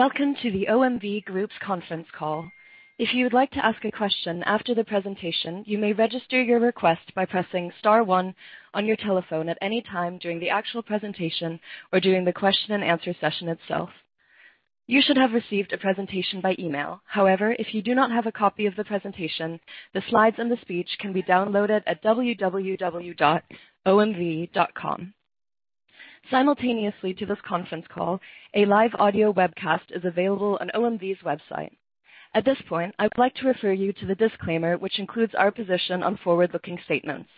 Welcome to the OMV Group's conference call. If you'd like to ask a question after the presentation, you may register your request by pressing star one on your telephone at any time during the actual presentation or during the question and answer session itself. You should have received a presentation by email. However, if you do not have a copy of the presentation, the slides and the speech can be downloaded at www.omv.com. Simultaneously to this conference call, a live audio webcast is available on OMV's website. At this point, I would like to refer you to the disclaimer, which includes our position on forward-looking statements.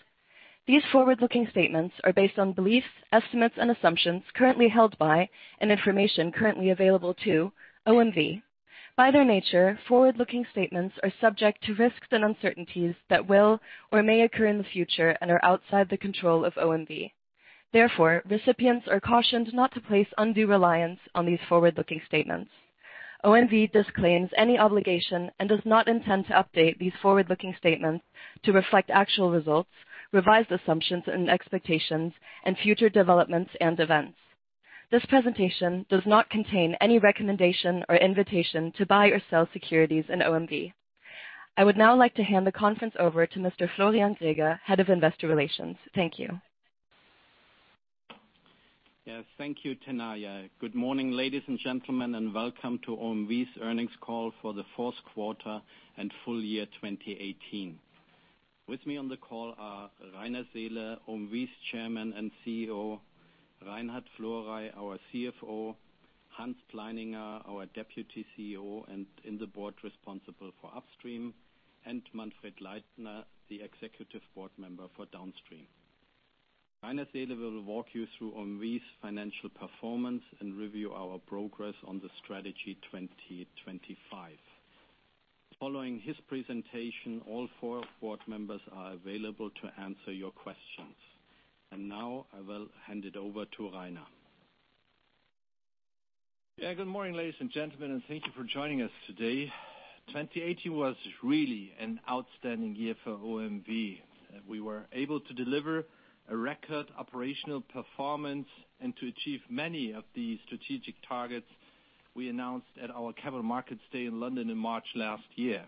These forward-looking statements are based on beliefs, estimates, and assumptions currently held by, and information currently available to OMV. By their nature, forward-looking statements are subject to risks and uncertainties that will or may occur in the future and are outside the control of OMV. Recipients are cautioned not to place undue reliance on these forward-looking statements. OMV disclaims any obligation and does not intend to update these forward-looking statements to reflect actual results, revised assumptions and expectations, and future developments and events. This presentation does not contain any recommendation or invitation to buy or sell securities in OMV. I would now like to hand the conference over to Mr. Florian Greger, Head of Investor Relations. Thank you. Yes. Thank you, Tanaya. Good morning, ladies and gentlemen, and welcome to OMV's earnings call for the fourth quarter and full year 2018. With me on the call are Rainer Seele, OMV's Chairman and CEO, Reinhard Florey, our CFO, Johann Pleininger, our Deputy CEO and in the board responsible for upstream, and Manfred Leitner, the executive board member for downstream. Rainer Seele will walk you through OMV's financial performance and review our progress on the strategy 2025. Following his presentation, all four board members are available to answer your questions. Now I will hand it over to Rainer. Good morning, ladies and gentlemen, thank you for joining us today. 2018 was really an outstanding year for OMV, we were able to deliver a record operational performance and to achieve many of the strategic targets we announced at our Capital Markets Day in London in March last year.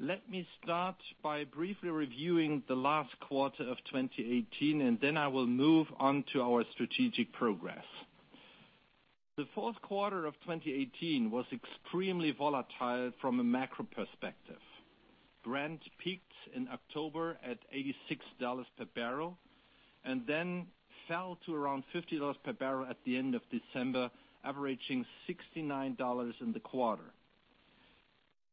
Let me start by briefly reviewing the last quarter of 2018, then I will move on to our strategic progress. The fourth quarter of 2018 was extremely volatile from a macro perspective. Brent peaked in October at $86 per barrel, then fell to around $50 per barrel at the end of December, averaging $69 in the quarter.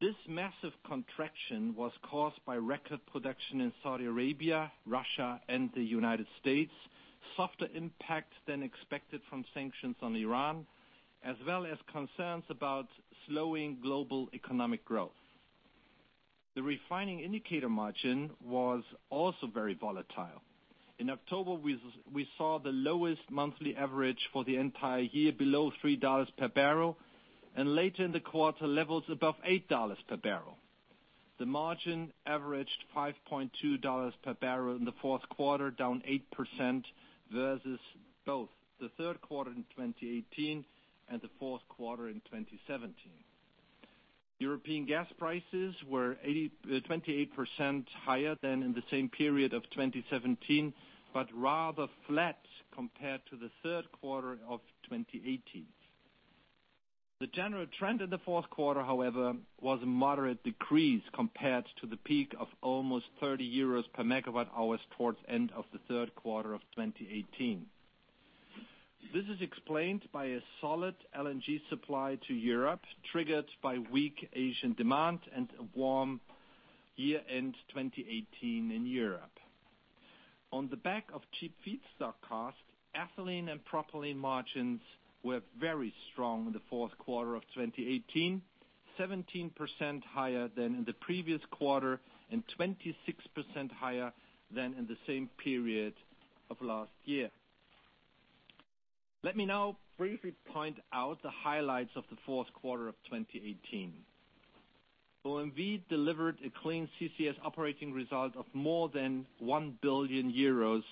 This massive contraction was caused by record production in Saudi Arabia, Russia, and the United States, softer impact than expected from sanctions on Iran, concerns about slowing global economic growth. The refining indicator margin was also very volatile. In October, we saw the lowest monthly average for the entire year below $3 per barrel, and later in the quarter, levels above $8 per barrel. The margin averaged $5.20 per barrel in the fourth quarter, down 8% versus both the third quarter in 2018 and the fourth quarter in 2017. European gas prices were 28% higher than in the same period of 2017. Rather flat compared to the third quarter of 2018. The general trend in the fourth quarter, however, was a moderate decrease compared to the peak of almost €30 per megawatt hours towards end of the third quarter of 2018. This is explained by a solid LNG supply to Europe, triggered by weak Asian demand and a warm year-end 2018 in Europe. On the back of cheap feedstock costs, ethylene and propylene margins were very strong in the fourth quarter of 2018, 17% higher than in the previous quarter. 26% higher than in the same period of last year. Let me now briefly point out the highlights of the fourth quarter of 2018. OMV delivered a Clean CCS operating result of more than 1 billion euros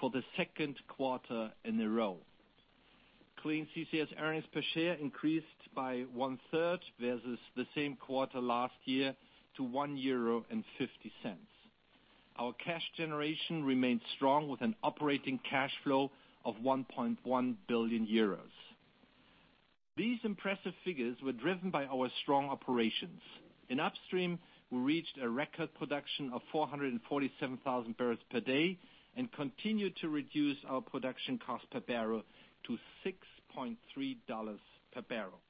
for the second quarter in a row. Clean CCS earnings per share increased by one-third versus the same quarter last year to €1.50. Our cash generation remained strong with an operating cash flow of €1.1 billion. These impressive figures were driven by our strong operations. In upstream, we reached a record production of 447,000 barrels per day and continued to reduce our production cost per barrel to $6.30 per barrel.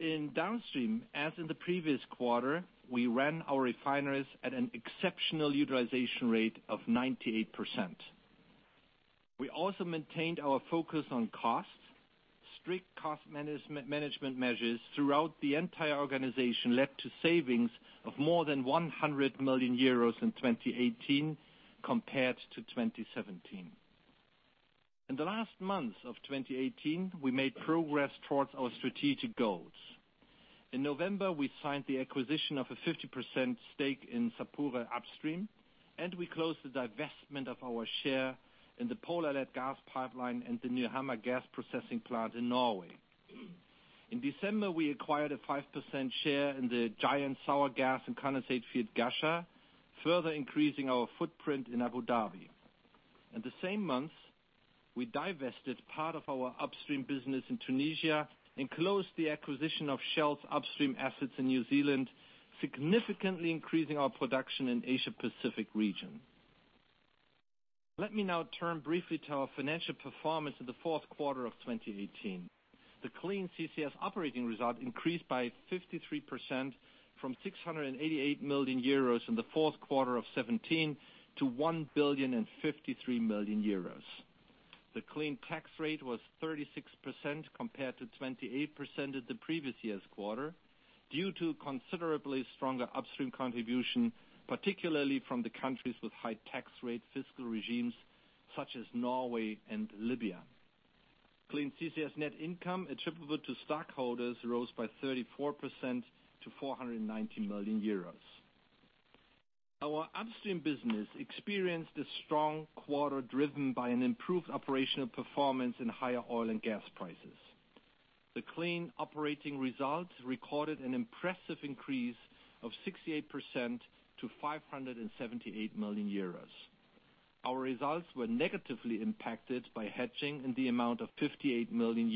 In downstream, as in the previous quarter, we ran our refineries at an exceptional utilization rate of 98%. We also maintained our focus on costs. Strict cost management measures throughout the entire organization led to savings of more than €100 million in 2018 compared to 2017. In the last months of 2018, we made progress towards our strategic goals. In November, we signed the acquisition of a 50% stake in Sapura Upstream. We closed the divestment of our share in the Polarled gas pipeline and the Nyhamna gas processing plant in Norway. In December, we acquired a 5% share in the giant sour gas and condensate field, Ghasha, further increasing our footprint in Abu Dhabi. In the same month, we divested part of our upstream business in Tunisia and closed the acquisition of Shell's upstream assets in New Zealand, significantly increasing our production in Asia Pacific region. Let me now turn briefly to our financial performance in the fourth quarter of 2018. The Clean CCS operating result increased by 53% from €688 million in the fourth quarter of 2017 to 1,053 million euros. The Clean tax rate was 36% compared to 28% at the previous year's quarter due to considerably stronger upstream contribution, particularly from the countries with high tax rate fiscal regimes such as Norway and Libya. Clean CCS net income attributable to stockholders rose by 34% to €490 million. Our upstream business experienced a strong quarter, driven by an improved operational performance in higher oil and gas prices. The Clean operating results recorded an impressive increase of 68% to €578 million. Our results were negatively impacted by hedging in the amount of €58 million.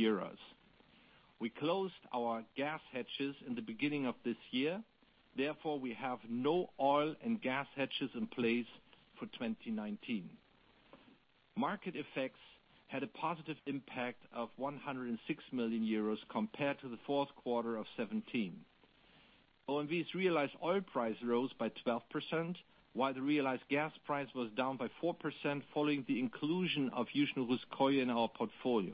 We closed our gas hedges in the beginning of this year, therefore, we have no oil and gas hedges in place for 2019. Market effects had a positive impact of 106 million euros compared to the fourth quarter of 2017. OMV's realized oil price rose by 12%, while the realized gas price was down by 4% following the inclusion of Yuzhno-Russkoye in our portfolio.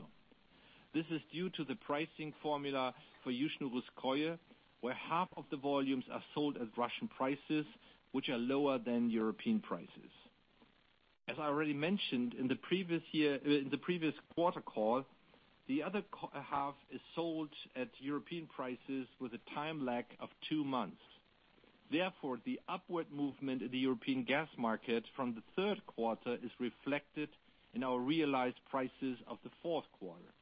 This is due to the pricing formula for Yuzhno-Russkoye, where half of the volumes are sold at Russian prices, which are lower than European prices. As I already mentioned in the previous quarter call, the other half is sold at European prices with a time lag of two months. Therefore, the upward movement in the European gas market from the third quarter is reflected in our realized prices of the fourth quarter.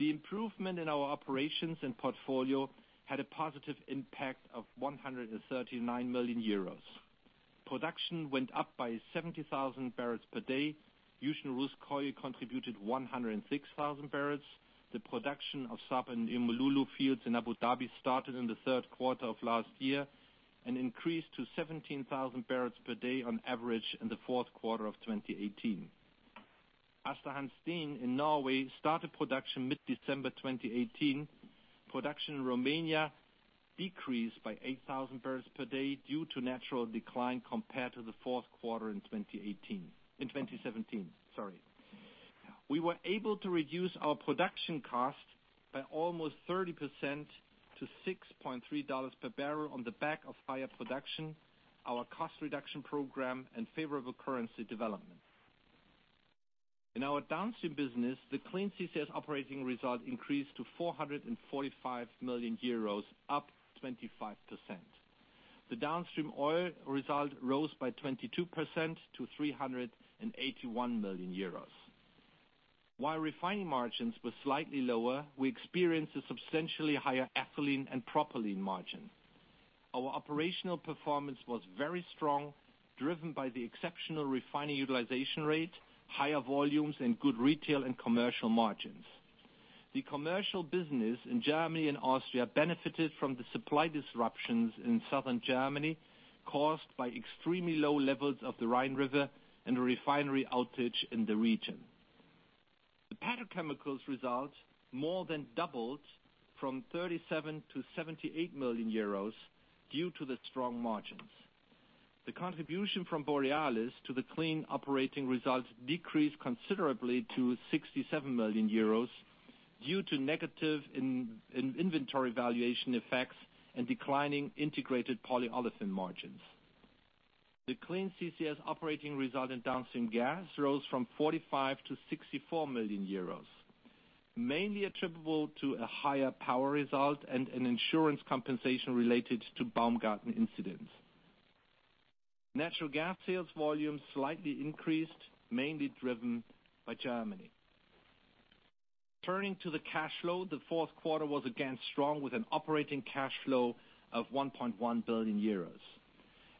The improvement in our operations and portfolio had a positive impact of 139 million euros. Production went up by 70,000 barrels per day. Yuzhno-Russkoye contributed 106,000 barrels. The production of SARB and Umm Lulu fields in Abu Dhabi started in the third quarter of last year and increased to 17,000 barrels per day on average in the fourth quarter of 2018. Aasta Hansteen in Norway started production mid-December 2018. Production in Romania decreased by 8,000 barrels per day due to natural decline compared to the fourth quarter in 2017. We were able to reduce our production cost by almost 30% to $6.3 per barrel on the back of higher production, our cost reduction program, and favorable currency development. In our downstream business, the Clean CCS operating result increased to 445 million euros, up 25%. The downstream oil result rose by 22% to 381 million euros. While refining margins were slightly lower, we experienced a substantially higher ethylene and propylene margin. Our operational performance was very strong, driven by the exceptional refining utilization rate, higher volumes, and good retail and commercial margins. The commercial business in Germany and Austria benefited from the supply disruptions in southern Germany caused by extremely low levels of the Rhine River and a refinery outage in the region. The petrochemicals result more than doubled from 37 to 78 million euros due to the strong margins. The contribution from Borealis to the Clean operating results decreased considerably to 67 million euros due to negative inventory valuation effects and declining integrated polyolefin margins. The Clean CCS operating result in downstream gas rose from 45 to 64 million euros, mainly attributable to a higher power result and an insurance compensation related to Baumgarten incidents. Natural gas sales volumes slightly increased, mainly driven by Germany. Turning to the cash flow, the fourth quarter was again strong with an operating cash flow of 1.1 billion euros.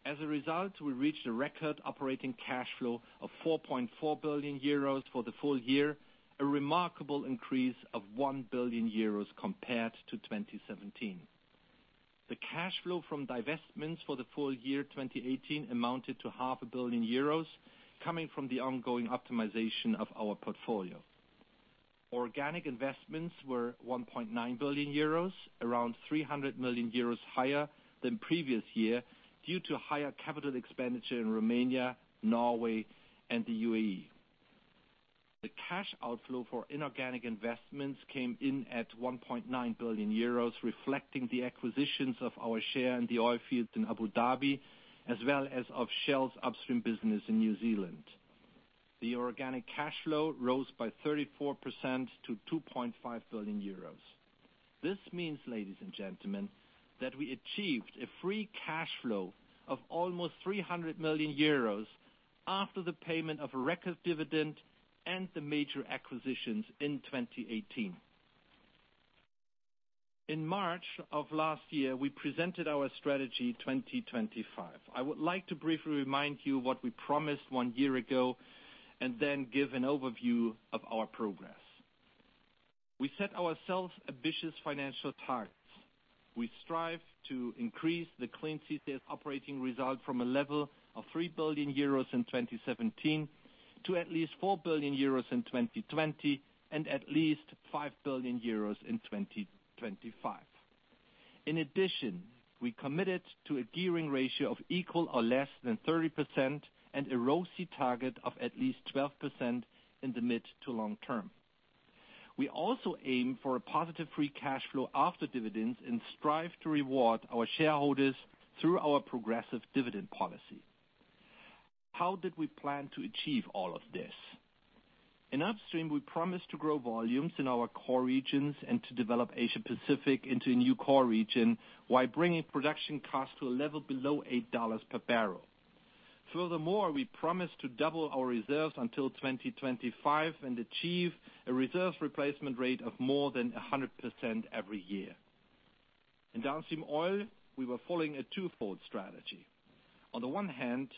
As a result, we reached a record operating cash flow of 4.4 billion euros for the full year, a remarkable increase of 1 billion euros compared to 2017. The cash flow from divestments for the full year 2018 amounted to half a billion euros, coming from the ongoing optimization of our portfolio. Organic investments were 1.9 billion euros, around 300 million euros higher than previous year, due to higher capital expenditure in Romania, Norway, and the U.A.E. The cash outflow for inorganic investments came in at 1.9 billion euros, reflecting the acquisitions of our share in the oil fields in Abu Dhabi, as well as of Shell's upstream business in New Zealand. The organic cash flow rose by 34% to 2.5 billion euros. This means, ladies and gentlemen, that we achieved a free cash flow of almost 300 million euros after the payment of record dividend and the major acquisitions in 2018. In March of last year, we presented our Strategy 2025. I would like to briefly remind you what we promised one year ago and then give an overview of our progress. We set ourselves ambitious financial targets. We strive to increase the Clean CCS operating result from a level of 3 billion euros in 2017 to at least 4 billion euros in 2020 and at least 5 billion euros in 2025. In addition, we committed to a gearing ratio of equal or less than 30% and a ROCE target of at least 12% in the mid to long term. We also aim for a positive free cash flow after dividends and strive to reward our shareholders through our progressive dividend policy. How did we plan to achieve all of this? In Upstream, we promised to grow volumes in our core regions and to develop Asia Pacific into a new core region, while bringing production costs to a level below $8 per barrel. Furthermore, we promised to double our reserves until 2025 and achieve a reserve replacement rate of more than 100% every year. In Downstream oil, we were following a twofold strategy. On the one hand,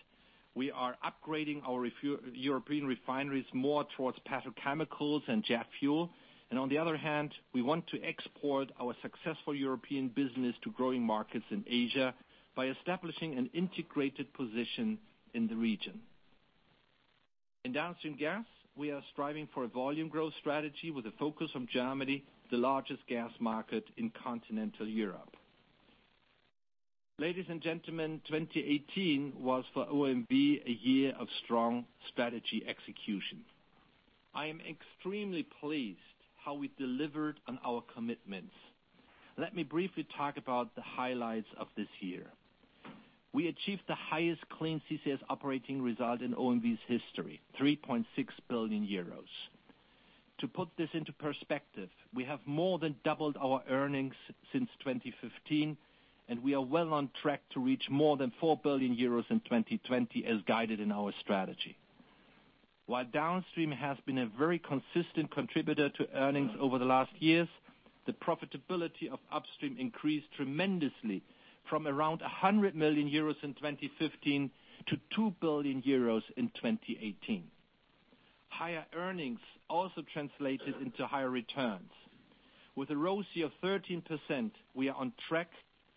we are upgrading our European refineries more towards petrochemicals and jet fuel. On the other hand, we want to export our successful European business to growing markets in Asia by establishing an integrated position in the region. In Downstream gas, we are striving for a volume growth strategy with a focus on Germany, the largest gas market in continental Europe. Ladies and gentlemen, 2018 was for OMV, a year of strong strategy execution. I am extremely pleased how we delivered on our commitments. Let me briefly talk about the highlights of this year. We achieved the highest Clean CCS operating result in OMV's history, 3.6 billion euros. To put this into perspective, we have more than doubled our earnings since 2015, and we are well on track to reach more than 4 billion euros in 2020 as guided in our strategy. While Downstream has been a very consistent contributor to earnings over the last years, the profitability of Upstream increased tremendously from around 100 million euros in 2015 to 2 billion euros in 2018. Higher earnings also translated into higher returns. With a ROCE of 13%, we are on track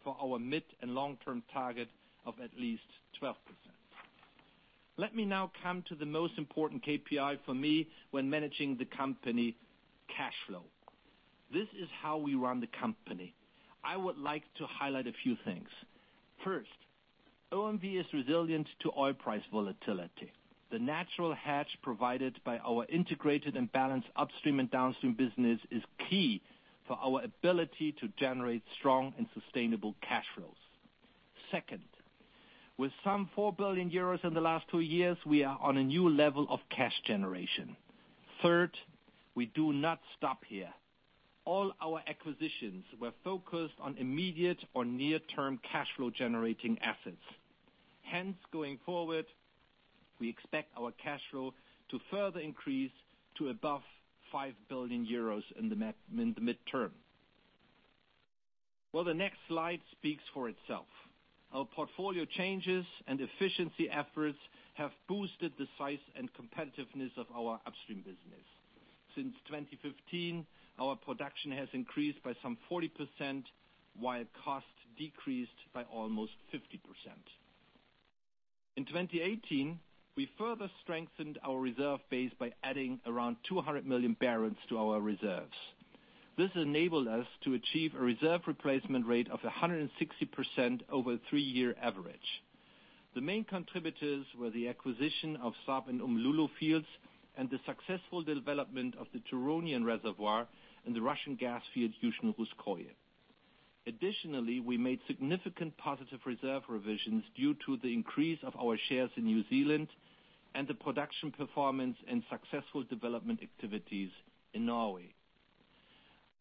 for our mid and long-term target of at least 12%. Let me now come to the most important KPI for me when managing the company cash flow. This is how we run the company. I would like to highlight a few things. First, OMV is resilient to oil price volatility. The natural hedge provided by our integrated and balanced Upstream and Downstream business is key for our ability to generate strong and sustainable cash flows. Second, with some 4 billion euros in the last two years, we are on a new level of cash generation. Third, we do not stop here. All our acquisitions were focused on immediate or near-term cash flow-generating assets. Hence, going forward, we expect our cash flow to further increase to above 5 billion euros in the midterm. Well, the next slide speaks for itself. Our portfolio changes and efficiency efforts have boosted the size and competitiveness of our Upstream business. Since 2015, our production has increased by some 40%, while costs decreased by almost 50%. In 2018, we further strengthened our reserve base by adding around 200 million barrels to our reserves. This enabled us to achieve a reserve replacement rate of 160% over a three-year average. The main contributors were the acquisition of SARB and Umm Lulu fields and the successful development of the Turonian reservoir in the Russian gas field, Yuzhno-Russkoye. Additionally, we made significant positive reserve revisions due to the increase of our shares in New Zealand and the production performance and successful development activities in Norway.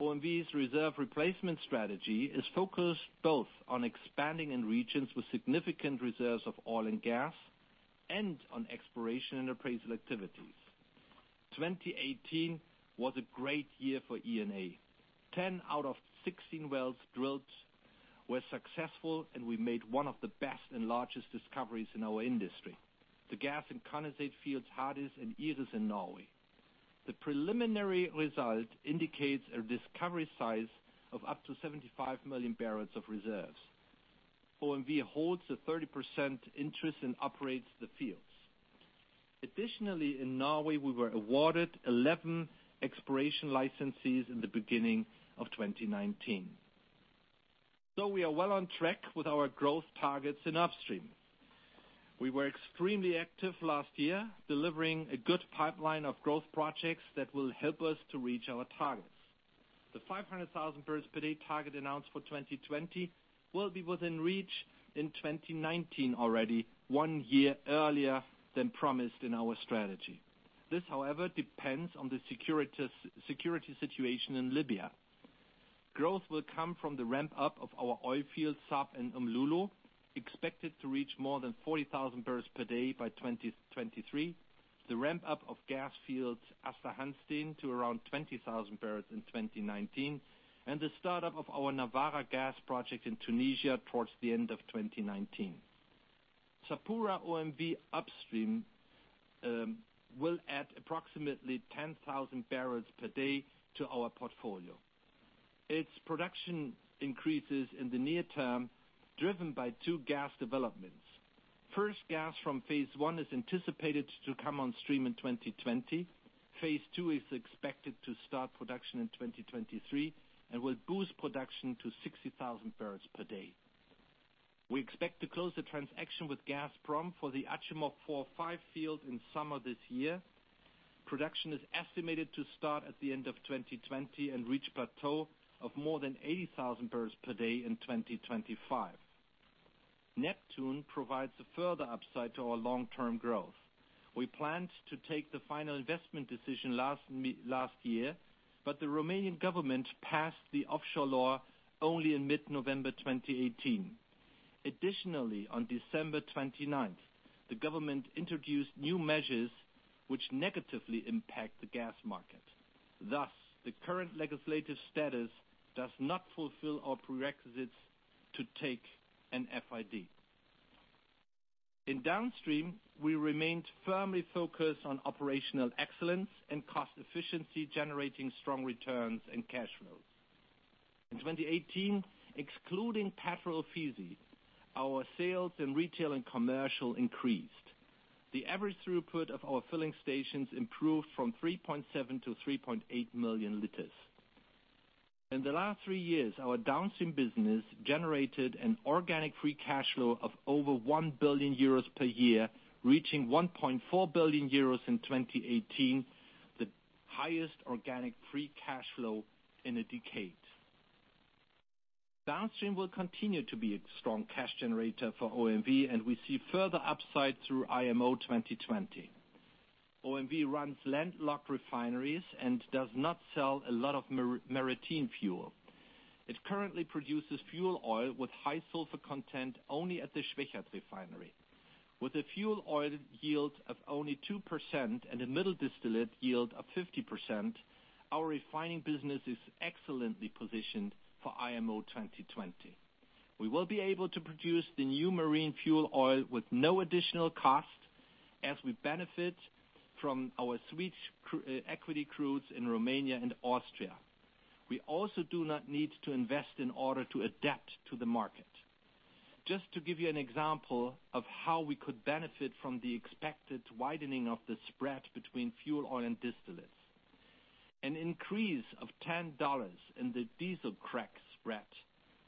OMV's reserve replacement strategy is focused both on expanding in regions with significant reserves of oil and gas and on exploration and appraisal activities. 2018 was a great year for E&A. 10 out of 16 wells drilled were successful, and we made one of the best and largest discoveries in our industry, the gas and condensate fields, Hades and Iris in Norway. The preliminary result indicates a discovery size of up to 75 million barrels of reserves. OMV holds a 30% interest and operates the fields. Additionally, in Norway, we were awarded 11 exploration licenses in the beginning of 2019. We are well on track with our growth targets in Upstream. We were extremely active last year, delivering a good pipeline of growth projects that will help us to reach our targets. The 500,000 barrels per day target announced for 2020 will be within reach in 2019 already, one year earlier than promised in our strategy. This, however, depends on the security situation in Libya. Growth will come from the ramp-up of our oil fields, SARB and Umm Lulu, expected to reach more than 40,000 barrels per day by 2023, the ramp-up of gas fields, Aasta Hansteen, to around 20,000 barrels in 2019, and the start-up of our Nawara gas project in Tunisia towards the end of 2019. SapuraOMV Upstream will add approximately 10,000 barrels per day to our portfolio. Its production increases in the near term, driven by two gas developments. First gas from phase one is anticipated to come on stream in 2020. Phase two is expected to start production in 2023 and will boost production to 60,000 barrels per day. We expect to close the transaction with Gazprom for the Achimov four, five field in summer this year. Production is estimated to start at the end of 2020 and reach plateau of more than 80,000 barrels per day in 2025. Neptun Deep provides a further upside to our long-term growth. We planned to take the final investment decision last year, The Romanian government passed the offshore law only in mid-November 2018. Additionally, on December 29th, the government introduced new measures which negatively impact the gas market. Thus, the current legislative status does not fulfill our prerequisites to take an FID. In Downstream, we remained firmly focused on operational excellence and cost efficiency, generating strong returns and cash flows. In 2018, excluding petrol fees, our sales in retail and commercial increased. The average throughput of our filling stations improved from 3.7 to 3.8 million liters. In the last three years, our Downstream business generated an organic free cash flow of over 1 billion euros per year, reaching 1.4 billion euros in 2018, the highest organic free cash flow in a decade. Downstream will continue to be a strong cash generator for OMV, we see further upside through IMO 2020. OMV runs landlocked refineries and does not sell a lot of maritime fuel. It currently produces fuel oil with high sulfur content only at the Schwechat refinery. With a fuel oil yield of only 2% and a middle distillate yield of 50%, our refining business is excellently positioned for IMO 2020. We will be able to produce the new marine fuel oil with no additional cost as we benefit from our sweet equity crudes in Romania and Austria. We also do not need to invest in order to adapt to the market. Just to give you an example of how we could benefit from the expected widening of the spread between fuel oil and distillates. An increase of EUR 10 in the diesel crack spread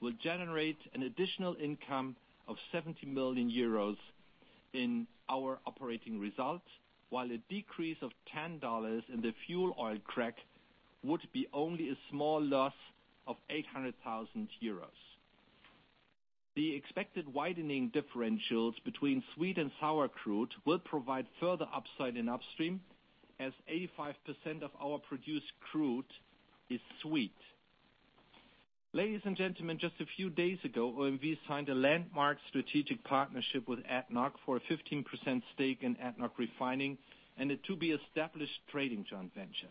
will generate an additional income of 70 million euros in our operating results, while a decrease of EUR 10 in the fuel oil crack would be only a small loss of 800,000 euros. The expected widening differentials between sweet and sour crude will provide further upside in Upstream, as 85% of our produced crude is sweet. Ladies and gentlemen, just a few days ago, OMV signed a landmark strategic partnership with ADNOC for a 15% stake in ADNOC Refining and a to-be-established trading joint venture.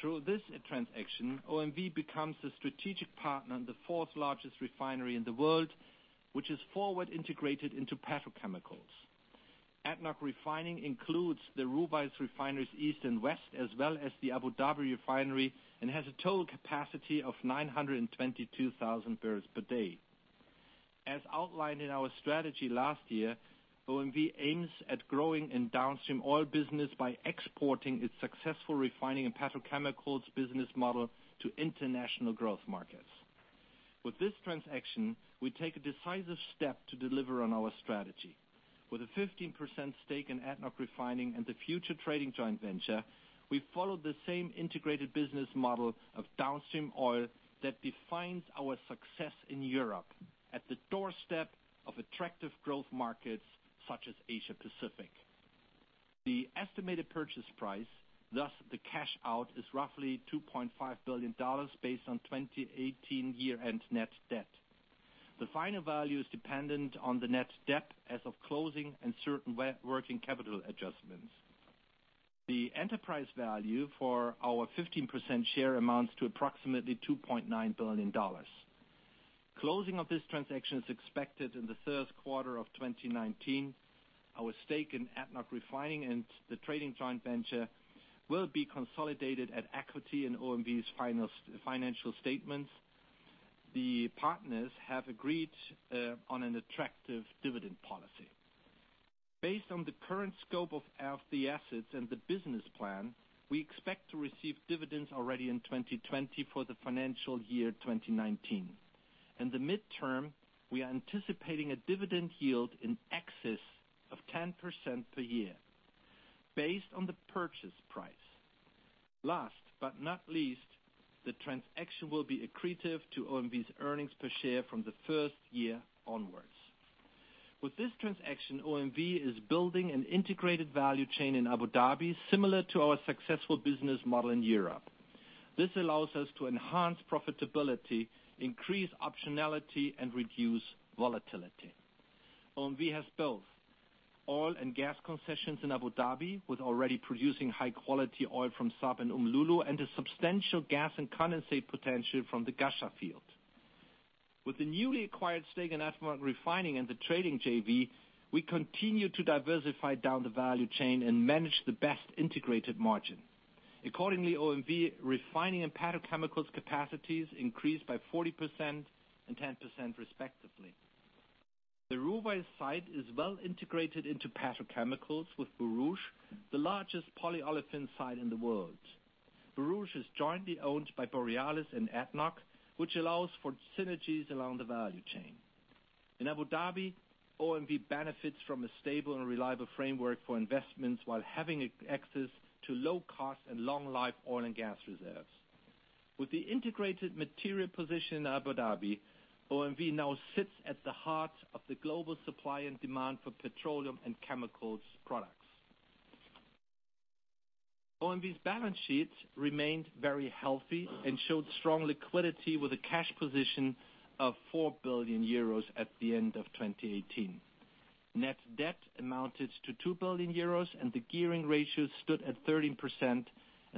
Through this transaction, OMV becomes the strategic partner in the fourth-largest refinery in the world, which is forward integrated into petrochemicals. ADNOC Refining includes the Ruwais Refineries East and West, as well as the Abu Dhabi Refinery, and has a total capacity of 922,000 barrels per day. As outlined in our strategy last year, OMV aims at growing in Downstream oil business by exporting its successful refining and petrochemicals business model to international growth markets. With this transaction, we take a decisive step to deliver on our strategy. With a 15% stake in ADNOC Refining and the future trading joint venture, we follow the same integrated business model of Downstream oil that defines our success in Europe at the doorstep of attractive growth markets such as Asia Pacific. The estimated purchase price, thus the cash out, is roughly $2.5 billion based on 2018 year-end net debt. The final value is dependent on the net debt as of closing and certain working capital adjustments. The enterprise value for our 15% share amounts to approximately $2.9 billion. Closing of this transaction is expected in the third quarter of 2019. Our stake in ADNOC Refining and the trading joint venture will be consolidated at equity in OMV's financial statements. The partners have agreed on an attractive dividend policy. Based on the current scope of the assets and the business plan, we expect to receive dividends already in 2020 for the financial year 2019. In the midterm, we are anticipating a dividend yield in excess of 10% per year. Based on the purchase price. Last not least, the transaction will be accretive to OMV's earnings per share from the first year onwards. With this transaction, OMV is building an integrated value chain in Abu Dhabi, similar to our successful business model in Europe. This allows us to enhance profitability, increase optionality, and reduce volatility. OMV has both oil and gas concessions in Abu Dhabi, with already producing high-quality oil from SARB and Umm Lulu, and a substantial gas and condensate potential from the Ghasha field. With the newly acquired stake in ADNOC Refining and the trading JV, we continue to diversify down the value chain and manage the best integrated margin. Accordingly, OMV refining and petrochemicals capacities increased by 40% and 10% respectively. The Ruwais site is well integrated into petrochemicals with Borouge, the largest polyolefin site in the world. Borouge is jointly owned by Borealis and ADNOC, which allows for synergies along the value chain. In Abu Dhabi, OMV benefits from a stable and reliable framework for investments while having access to low-cost and long-life oil and gas reserves. With the integrated material position in Abu Dhabi, OMV now sits at the heart of the global supply and demand for petroleum and chemicals products. OMV's balance sheet remained very healthy and showed strong liquidity with a cash position of 4 billion euros at the end of 2018. Net debt amounted to 2 billion euros and the gearing ratio stood at 13%.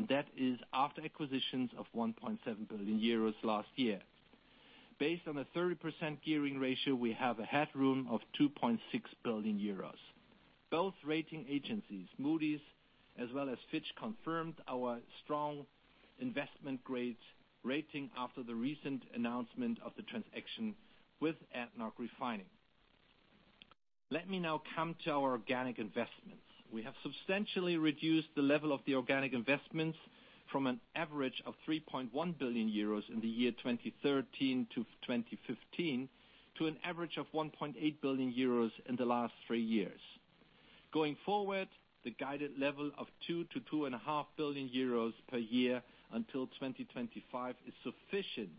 That is after acquisitions of 1.7 billion euros last year. Based on a 30% gearing ratio, we have a headroom of 2.6 billion euros. Both rating agencies, Moody's as well as Fitch, confirmed our strong investment grade rating after the recent announcement of the transaction with ADNOC Refining. Let me now come to our organic investments. We have substantially reduced the level of the organic investments from an average of 3.1 billion euros in the year 2013 to 2015, to an average of 1.8 billion euros in the last three years. Going forward, the guided level of 2 billion-2.5 billion euros per year until 2025 is sufficient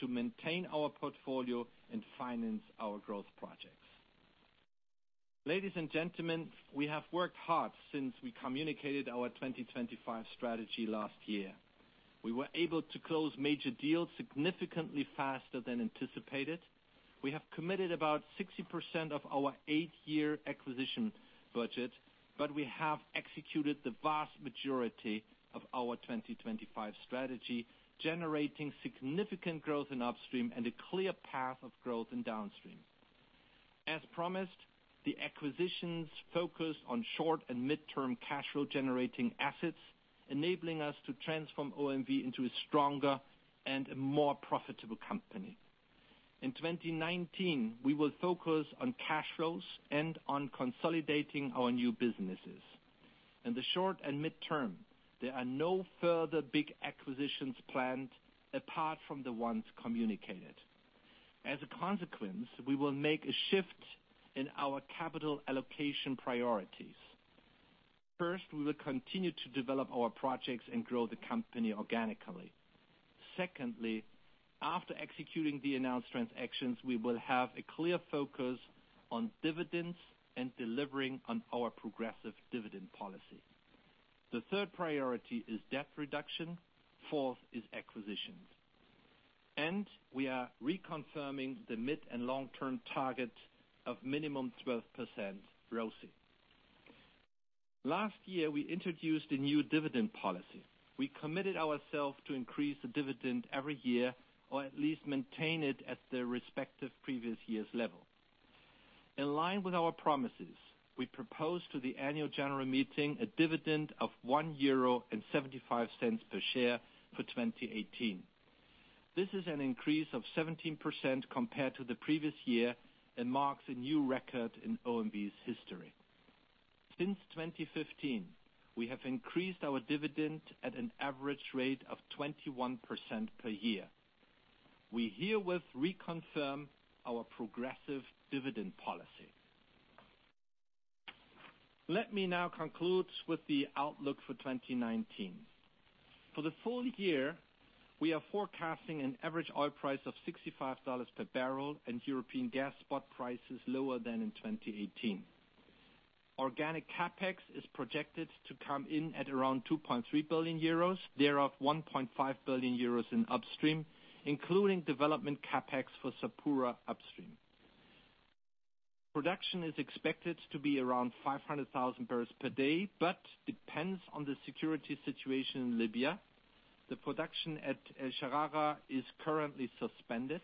to maintain our portfolio and finance our growth projects. Ladies and gentlemen, we have worked hard since we communicated our 2025 strategy last year. We were able to close major deals significantly faster than anticipated. We have committed about 60% of our eight-year acquisition budget. We have executed the vast majority of our 2025 strategy, generating significant growth in upstream and a clear path of growth in downstream. As promised, the acquisitions focus on short and mid-term cash flow generating assets, enabling us to transform OMV into a stronger and a more profitable company. In 2019, we will focus on cash flows and on consolidating our new businesses. In the short and mid-term, there are no further big acquisitions planned apart from the ones communicated. As a consequence, we will make a shift in our capital allocation priorities. First, we will continue to develop our projects and grow the company organically. Secondly, after executing the announced transactions, we will have a clear focus on dividends and delivering on our progressive dividend policy. The third priority is debt reduction, fourth is acquisitions. We are reconfirming the mid- and long-term target of minimum 12% ROACE. Last year, we introduced a new dividend policy. We committed ourselves to increase the dividend every year, or at least maintain it at the respective previous year's level. In line with our promises, we propose to the annual general meeting a dividend of 1.75 euro per share for 2018. This is an increase of 17% compared to the previous year and marks a new record in OMV's history. Since 2015, we have increased our dividend at an average rate of 21% per year. We herewith reconfirm our progressive dividend policy. Let me now conclude with the outlook for 2019. For the full year, we are forecasting an average oil price of $65 per barrel and European gas spot prices lower than in 2018. Organic CapEx is projected to come in at around 2.3 billion euros, thereof 1.5 billion euros in Upstream, including development CapEx for Sapura Upstream. Production is expected to be around 500,000 barrels per day, but depends on the security situation in Libya. The production at El Sharara is currently suspended.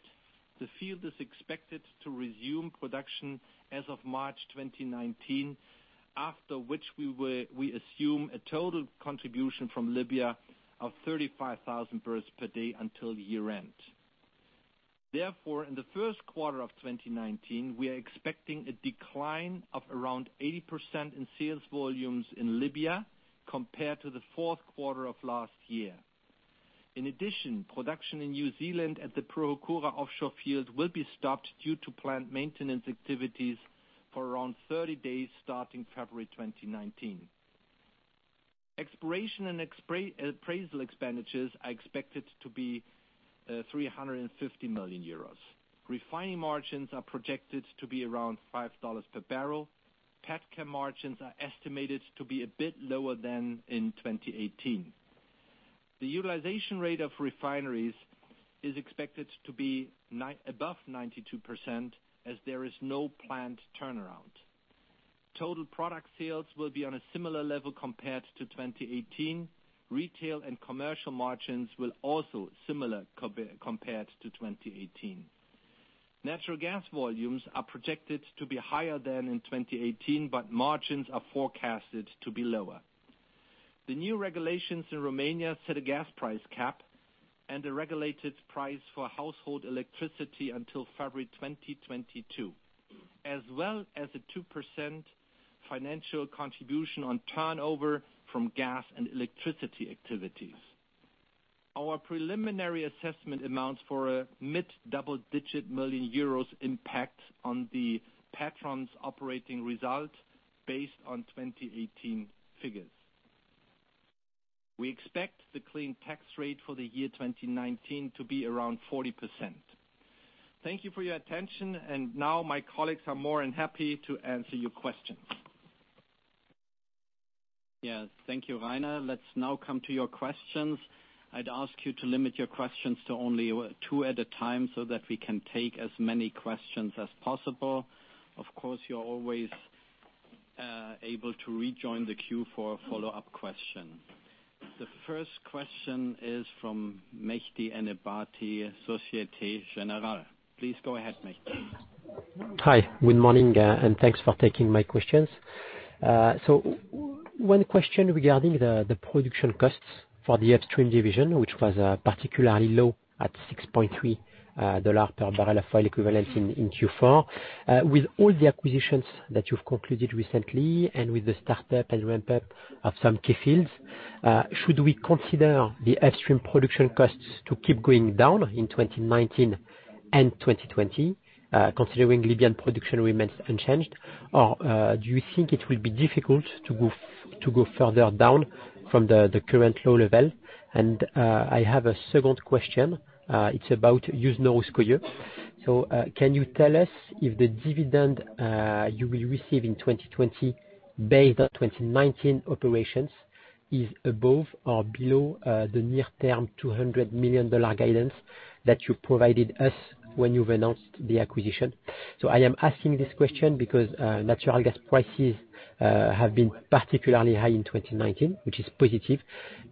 The field is expected to resume production as of March 2019, after which we assume a total contribution from Libya of 35,000 barrels per day until year-end. In the first quarter of 2019, we are expecting a decline of around 80% in sales volumes in Libya compared to the fourth quarter of last year. Production in New Zealand at the Pohokura offshore field will be stopped due to plant maintenance activities for around 30 days starting February 2019. Exploration and appraisal expenditures are expected to be 350 million euros. Refining margins are projected to be around $5 per barrel. Petchem margins are estimated to be a bit lower than in 2018. The utilization rate of refineries is expected to be above 92%, as there is no planned turnaround. Total product sales will be on a similar level compared to 2018. Retail and commercial margins will also similar compared to 2018. Natural gas volumes are projected to be higher than in 2018. Margins are forecasted to be lower. The new regulations in Romania set a gas price cap and a regulated price for household electricity until February 2022, as well as a 2% financial contribution on turnover from gas and electricity activities. Our preliminary assessment amounts for a mid double-digit million EUR impact on the Petrom's operating result based on 2018 figures. We expect the clean tax rate for the year 2019 to be around 40%. Thank you for your attention. Now my colleagues are more than happy to answer your questions. Yes, thank you, Rainer. Let's now come to your questions. I'd ask you to limit your questions to only two at a time so that we can take as many questions as possible. Of course, you're always able to rejoin the queue for a follow-up question. The first question is from Mehdi Ennebati, Société Générale. Please go ahead, Mehdi. Hi. Good morning, and thanks for taking my questions. One question regarding the production costs for the Upstream division, which was particularly low at EUR 6.30 per barrel of oil equivalent in Q4. With all the acquisitions that you've concluded recently and with the startup and ramp-up of some key fields, should we consider the Upstream production costs to keep going down in 2019 and 2020, considering Libyan production remains unchanged? Or do you think it will be difficult to go further down from the current low level? I have a second question. It's about Yuzhno-Russkoye. Can you tell us if the dividend you will receive in 2020 based on 2019 operations is above or below the near-term EUR 200 million guidance that you provided us when you've announced the acquisition? I am asking this question because natural gas prices have been particularly high in 2019, which is positive,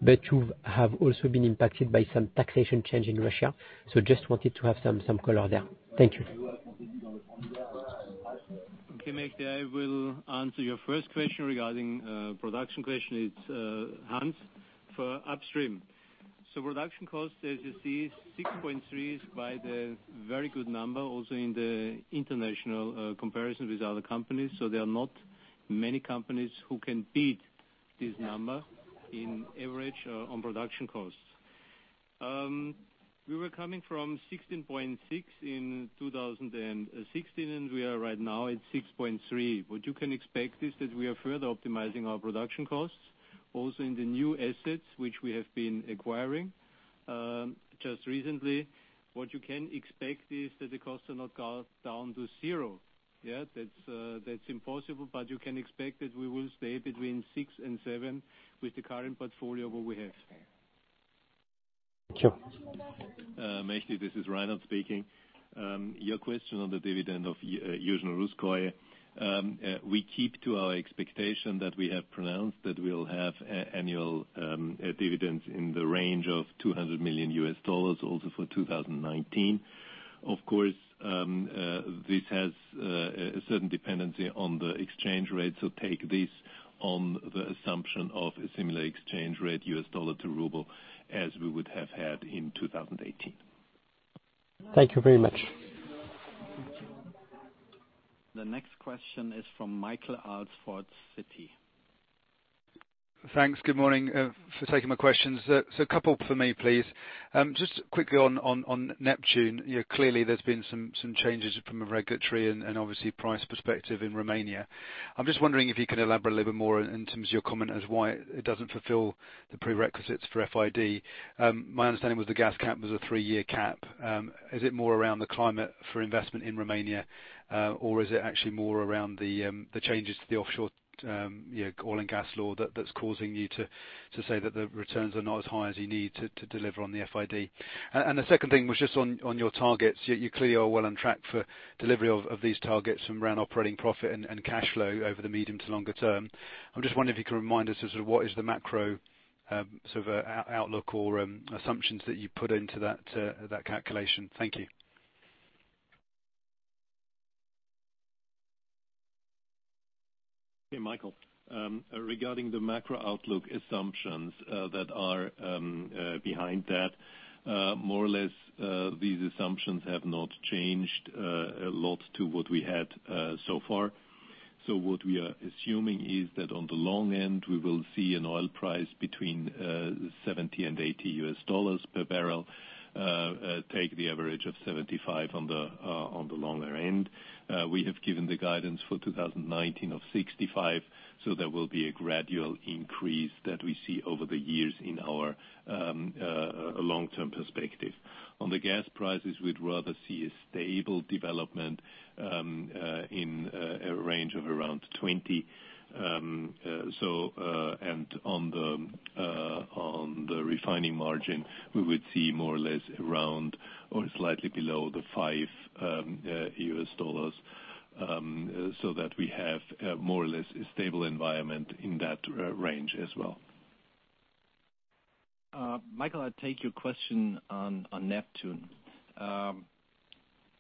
you have also been impacted by some taxation change in Russia. Just wanted to have some color there. Thank you. Okay, Mehdi, I will answer your first question regarding production question. It's Johann for Upstream. Production cost, as you see, 6.3 is quite a very good number, also in the international comparison with other companies. There are not many companies who can beat this number in average on production costs. We were coming from 16.6 in 2016, and we are right now at 6.3. What you can expect is that we are further optimizing our production costs, also in the new assets which we have been acquiring just recently. What you can expect is that the costs will not go down to zero. That's impossible, you can expect that we will stay between six and seven with the current portfolio what we have. Thank you. Mehdi, this is Rainer speaking. Your question on the dividend of Yuzhno-Russkoye. We keep to our expectation that we have pronounced that we will have annual dividends in the range of $200 million also for 2019. This has a certain dependency on the exchange rate, take this on the assumption of a similar exchange rate, U.S. dollar to ruble, as we would have had in 2018. Thank you very much. The next question is from Michael Alsford, Citi. Thanks. Good morning for taking my questions. A couple for me, please. Just quickly on Neptun, clearly there's been some changes from a regulatory and obviously price perspective in Romania. I'm just wondering if you can elaborate a little bit more in terms of your comment as why it doesn't fulfill the prerequisites for FID. My understanding was the gas cap was a three-year cap. Is it more around the climate for investment in Romania? Or is it actually more around the changes to the offshore oil and gas law that's causing you to say that the returns are not as high as you need to deliver on the FID? The second thing was just on your targets. You clearly are well on track for delivery of these targets around operating profit and cash flow over the medium to longer term. I'm just wondering if you can remind us as to what is the macro outlook or assumptions that you put into that calculation. Thank you. Hey, Michael. Regarding the macro outlook assumptions that are behind that, more or less these assumptions have not changed a lot to what we had so far. What we are assuming is that on the long end, we will see an oil price between $70 and $80 US per barrel, take the average of $75 on the longer end. We have given the guidance for 2019 of $65, there will be a gradual increase that we see over the years in our long-term perspective. On the gas prices, we'd rather see a stable development in a range of around $20. On the refining margin, we would see more or less around or slightly below the $5, so that we have more or less a stable environment in that range as well. Michael, I take your question on Neptun.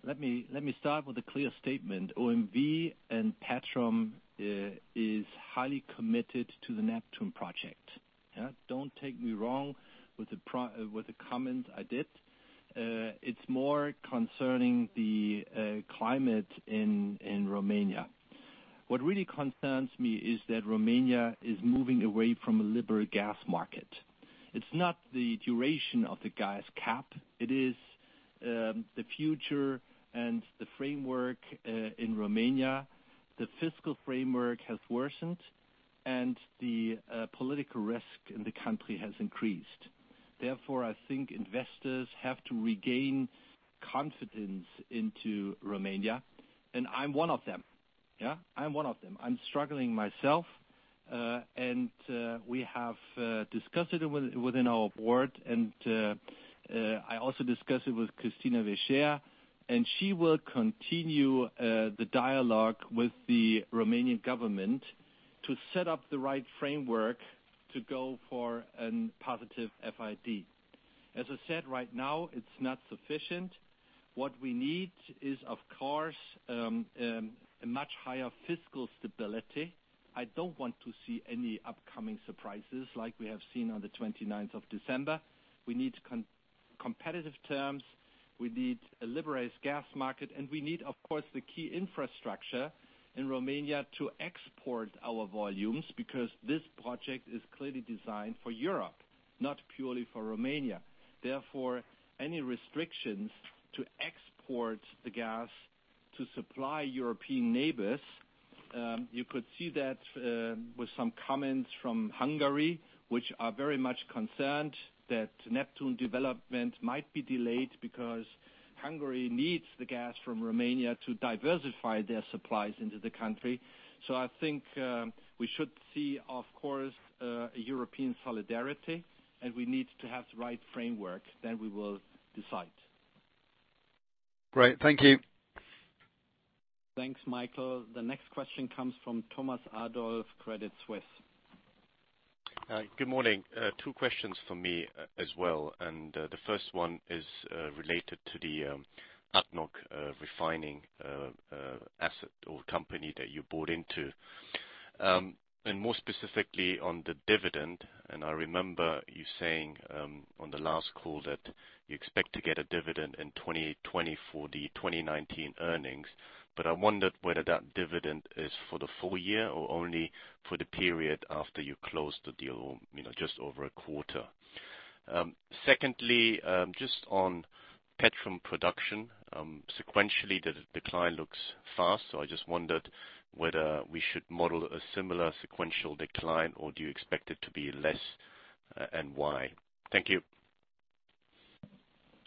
Let me start with a clear statement. OMV and Petrom is highly committed to the Neptun project. Don't take me wrong with the comment I did. It's more concerning the climate in Romania. What really concerns me is that Romania is moving away from a liberal gas market. It's not the duration of the gas cap. It is the future and the framework in Romania. The fiscal framework has worsened, and the political risk in the country has increased. Therefore, I think investors have to regain confidence into Romania, and I'm one of them. Yeah. I'm one of them. I'm struggling myself. We have discussed it within our board, I also discuss it with Christina Verchere, she will continue the dialogue with the Romanian government to set up the right framework to go for a positive FID. As I said, right now it's not sufficient. What we need is, of course, a much higher fiscal stability. I don't want to see any upcoming surprises like we have seen on the 29th of December. We need competitive terms, we need a liberalized gas market, and we need, of course, the key infrastructure in Romania to export our volumes, because this project is clearly designed for Europe, not purely for Romania. Therefore, any restrictions to export the gas to supply European neighbors, you could see that with some comments from Hungary, which are very much concerned that Neptun development might be delayed because Hungary needs the gas from Romania to diversify their supplies into the country. I think we should see, of course, a European solidarity, and we need to have the right framework, then we will decide. Great. Thank you. Thanks, Michael. The next question comes from Thomas Adolff, Credit Suisse. Good morning. Two questions from me as well. The first one is related to the ADNOC Refining asset or company that you bought into. More specifically on the dividend, I remember you saying on the last call that you expect to get a dividend in 2020 for the 2019 earnings. I wondered whether that dividend is for the full year or only for the period after you close the deal, just over a quarter. Secondly, just on Petrom production. Sequentially, the decline looks fast. I just wondered whether we should model a similar sequential decline or do you expect it to be less, and why? Thank you.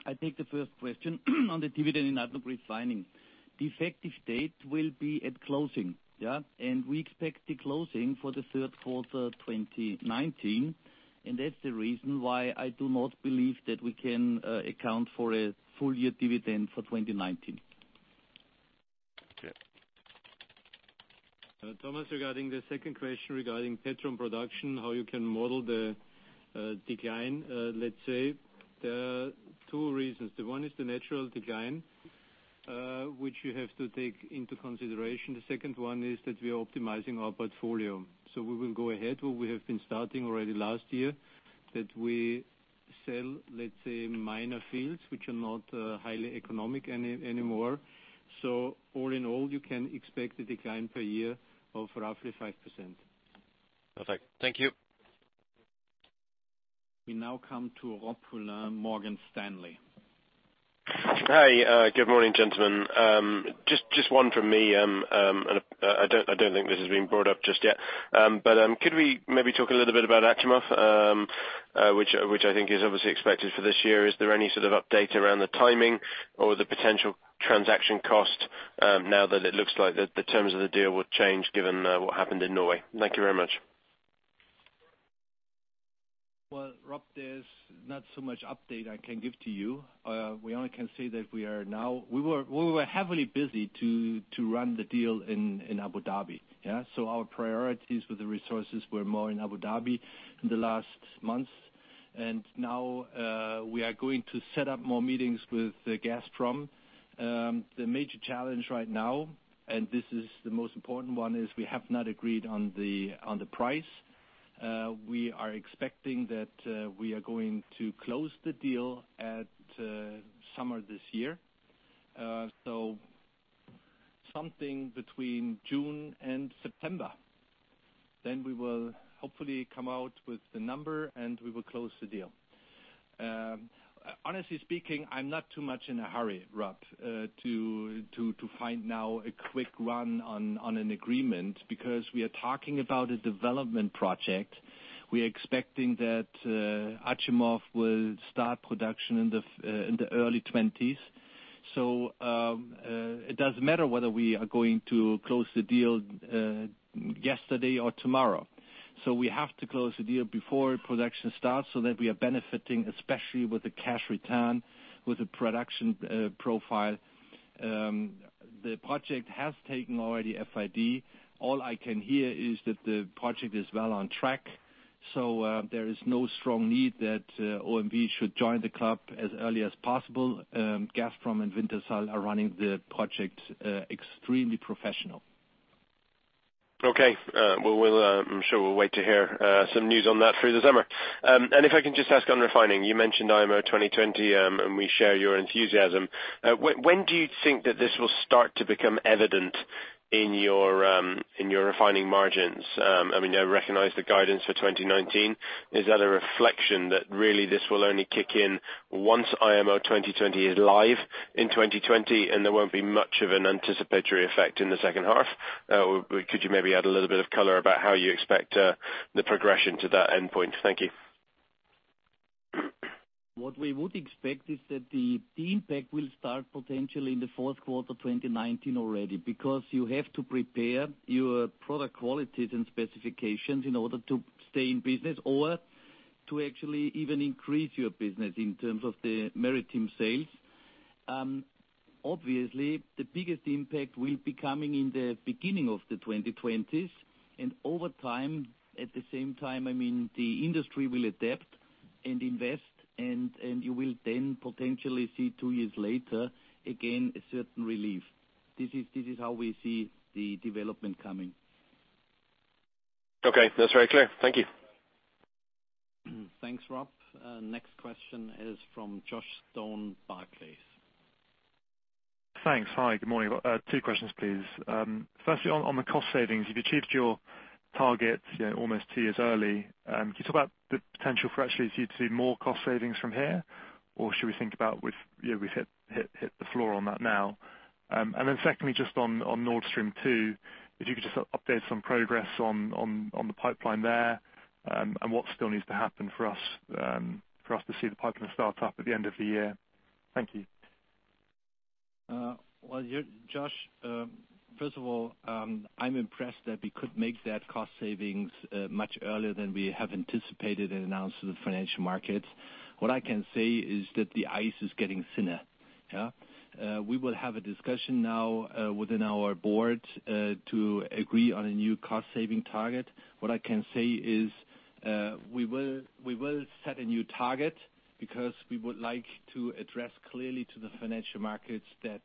I take the first question on the dividend in ADNOC Refining. The effective date will be at closing. Yeah? We expect the closing for the third quarter 2019, and that's the reason why I do not believe that we can account for a full-year dividend for 2019. Okay. Thomas, regarding the second question regarding Petrom production, how you can model the decline, let's say there are two reasons. One is the natural decline, which you have to take into consideration. The second one is that we are optimizing our portfolio. We will go ahead where we have been starting already last year, that we sell, let's say, minor fields, which are not highly economic anymore. All in all, you can expect a decline per year of roughly 5%. Perfect. Thank you. We now come to Rob Pulleyn, Morgan Stanley. Hi. Good morning, gentlemen. Just one from me. I don't think this has been brought up just yet. Could we maybe talk a little bit about Achimov, which I think is obviously expected for this year. Is there any sort of update around the timing or the potential transaction cost now that it looks like the terms of the deal will change given what happened in Norway? Thank you very much. Well, Rob, there's not so much update I can give to you. We only can say that we were heavily busy to run the deal in Abu Dhabi. Yeah? Our priorities with the resources were more in Abu Dhabi in the last months. Now we are going to set up more meetings with Gazprom. The major challenge right now, and this is the most important one, is we have not agreed on the price. We are expecting that we are going to close the deal at summer this year. Something between June and September. We will hopefully come out with the number, and we will close the deal. Honestly speaking, I'm not too much in a hurry, Rob, to find now a quick run on an agreement, because we are talking about a development project. We are expecting that Achimov will start production in the early 2020s. It doesn't matter whether we are going to close the deal yesterday or tomorrow. We have to close the deal before production starts so that we are benefiting, especially with the cash return, with the production profile. The project has taken already FID. All I can hear is that the project is well on track. There is no strong need that OMV should join the club as early as possible. Gazprom and Wintershall are running the project extremely professional. Okay. I'm sure we'll wait to hear some news on that through the summer. If I can just ask on refining. You mentioned IMO 2020, and we share your enthusiasm. When do you think that this will start to become evident in your refining margins? I recognize the guidance for 2019. Is that a reflection that really this will only kick in once IMO 2020 is live in 2020, and there won't be much of an anticipatory effect in the second half? Could you maybe add a little bit of color about how you expect the progression to that endpoint? Thank you. What we would expect is that the impact will start potentially in the fourth quarter 2019 already, because you have to prepare your product qualities and specifications in order to stay in business or to actually even increase your business in terms of the maritime sales. Obviously, the biggest impact will be coming in the beginning of the 2020s, and over time, at the same time, the industry will adapt and invest and you will then potentially see two years later, again, a certain relief. This is how we see the development coming. Okay, that's very clear. Thank you. Thanks, Rob. Next question is from Josh Stone, Barclays. Thanks. Hi, good morning. Two questions, please. Firstly, on the cost savings, you've achieved your targets almost two years early. Can you talk about the potential for actually to see more cost savings from here? Should we think about we've hit the floor on that now? Secondly, just on Nord Stream 2, if you could just update some progress on the pipeline there, and what still needs to happen for us to see the pipeline start up at the end of the year. Thank you. Well, Josh, first of all, I'm impressed that we could make that cost savings much earlier than we have anticipated and announced to the financial markets. What I can say is that the ice is getting thinner. We will have a discussion now within our board, to agree on a new cost-saving target. What I can say is we will set a new target because we would like to address clearly to the financial markets that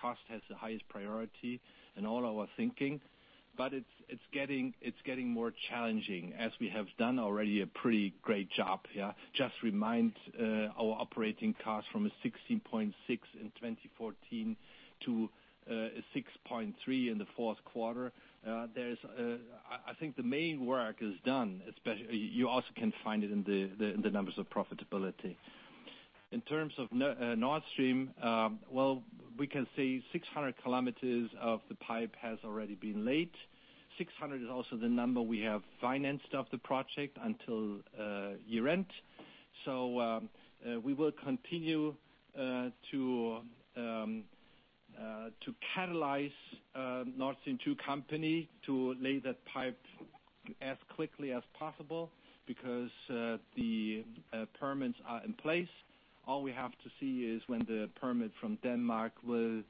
cost has the highest priority in all our thinking. It's getting more challenging as we have done already a pretty great job. Just remind, our operating costs from 16.6 in 2014 to 6.3 in the fourth quarter. I think the main work is done, you also can find it in the numbers of profitability. In terms of Nord Stream, well, we can say 600 kilometers of the pipe has already been laid. 600 is also the number we have financed of the project until year-end. We will continue to catalyze Nord Stream 2 AG to lay that pipe as quickly as possible, because the permits are in place. All we have to see is when the permit from Denmark will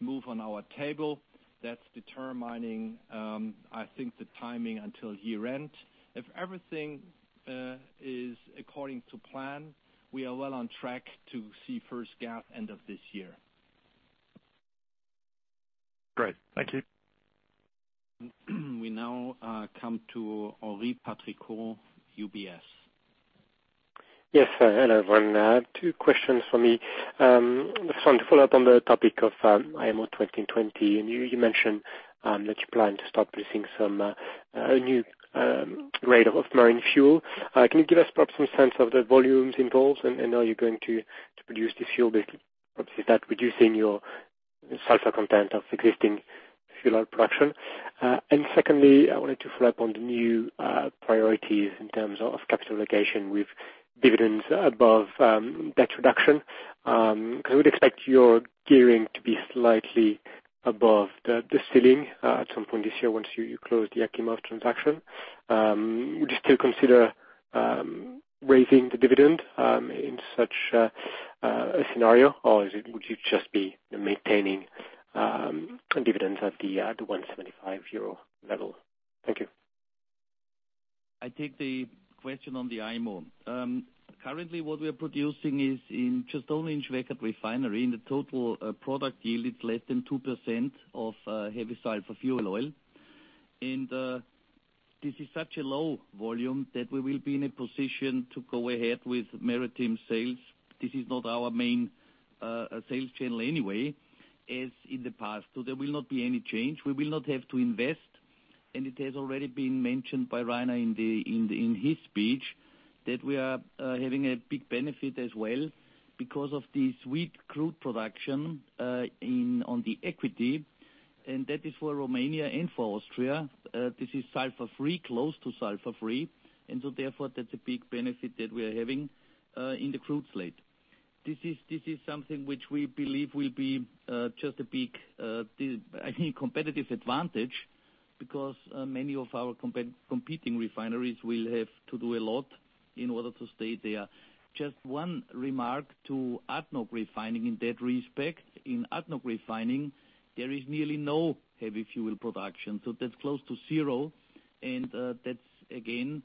move on our table. That's determining, I think the timing until year-end. If everything is according to plan, we are well on track to see first gas end of this year. Great. Thank you. We now come to Henri Patricot, UBS. Yes. Hello, everyone. Two questions for me. The first one to follow up on the topic of IMO 2020. You mentioned that you plan to start producing a new grade of marine fuel. Can you give us perhaps some sense of the volumes involved? Are you going to produce this fuel, basically, perhaps, is that reducing your sulfur content of existing fuel oil production? Secondly, I wanted to follow up on the new priorities in terms of capital allocation with dividends above debt reduction. I would expect your gearing to be slightly above the ceiling at some point this year once you close the Achimov transaction. Would you still consider raising the dividend in such a scenario, or would you just be maintaining dividends at the 175 euro level? Thank you. I take the question on the IMO. Currently, what we are producing is just only in Schwechat Refinery. In the total product yield, it is less than 2% of heavy sulfur fuel oil. And this is such a low volume that we will be in a position to go ahead with maritime sales. This is not our main sales channel anyway, as in the past. There will not be any change. We will not have to invest. It has already been mentioned by Rainer in his speech, that we are having a big benefit as well because of the sweet crude production on the equity. That is for Romania and for Austria. This is sulfur-free, close to sulfur-free. Therefore, that's a big benefit that we are having in the crude slate. This is something which we believe will be just a big competitive advantage, because many of our competing refineries will have to do a lot in order to stay there. Just one remark to ADNOC Refining in that respect. In ADNOC Refining, there is nearly no heavy fuel production. That's close to zero. That's again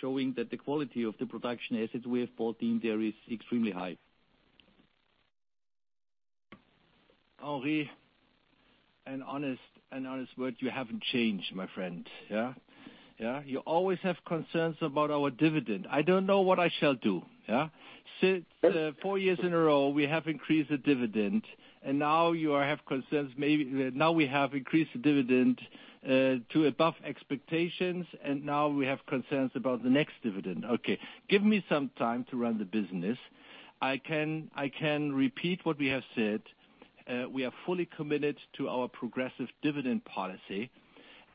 showing that the quality of the production assets we have brought in there is extremely high. Henri, an honest word, you haven't changed, my friend. You always have concerns about our dividend. I don't know what I shall do. Four years in a row, we have increased the dividend, now you have concerns. Now we have increased the dividend to above expectations, now we have concerns about the next dividend. Okay. Give me some time to run the business. I can repeat what we have said. We are fully committed to our progressive dividend policy.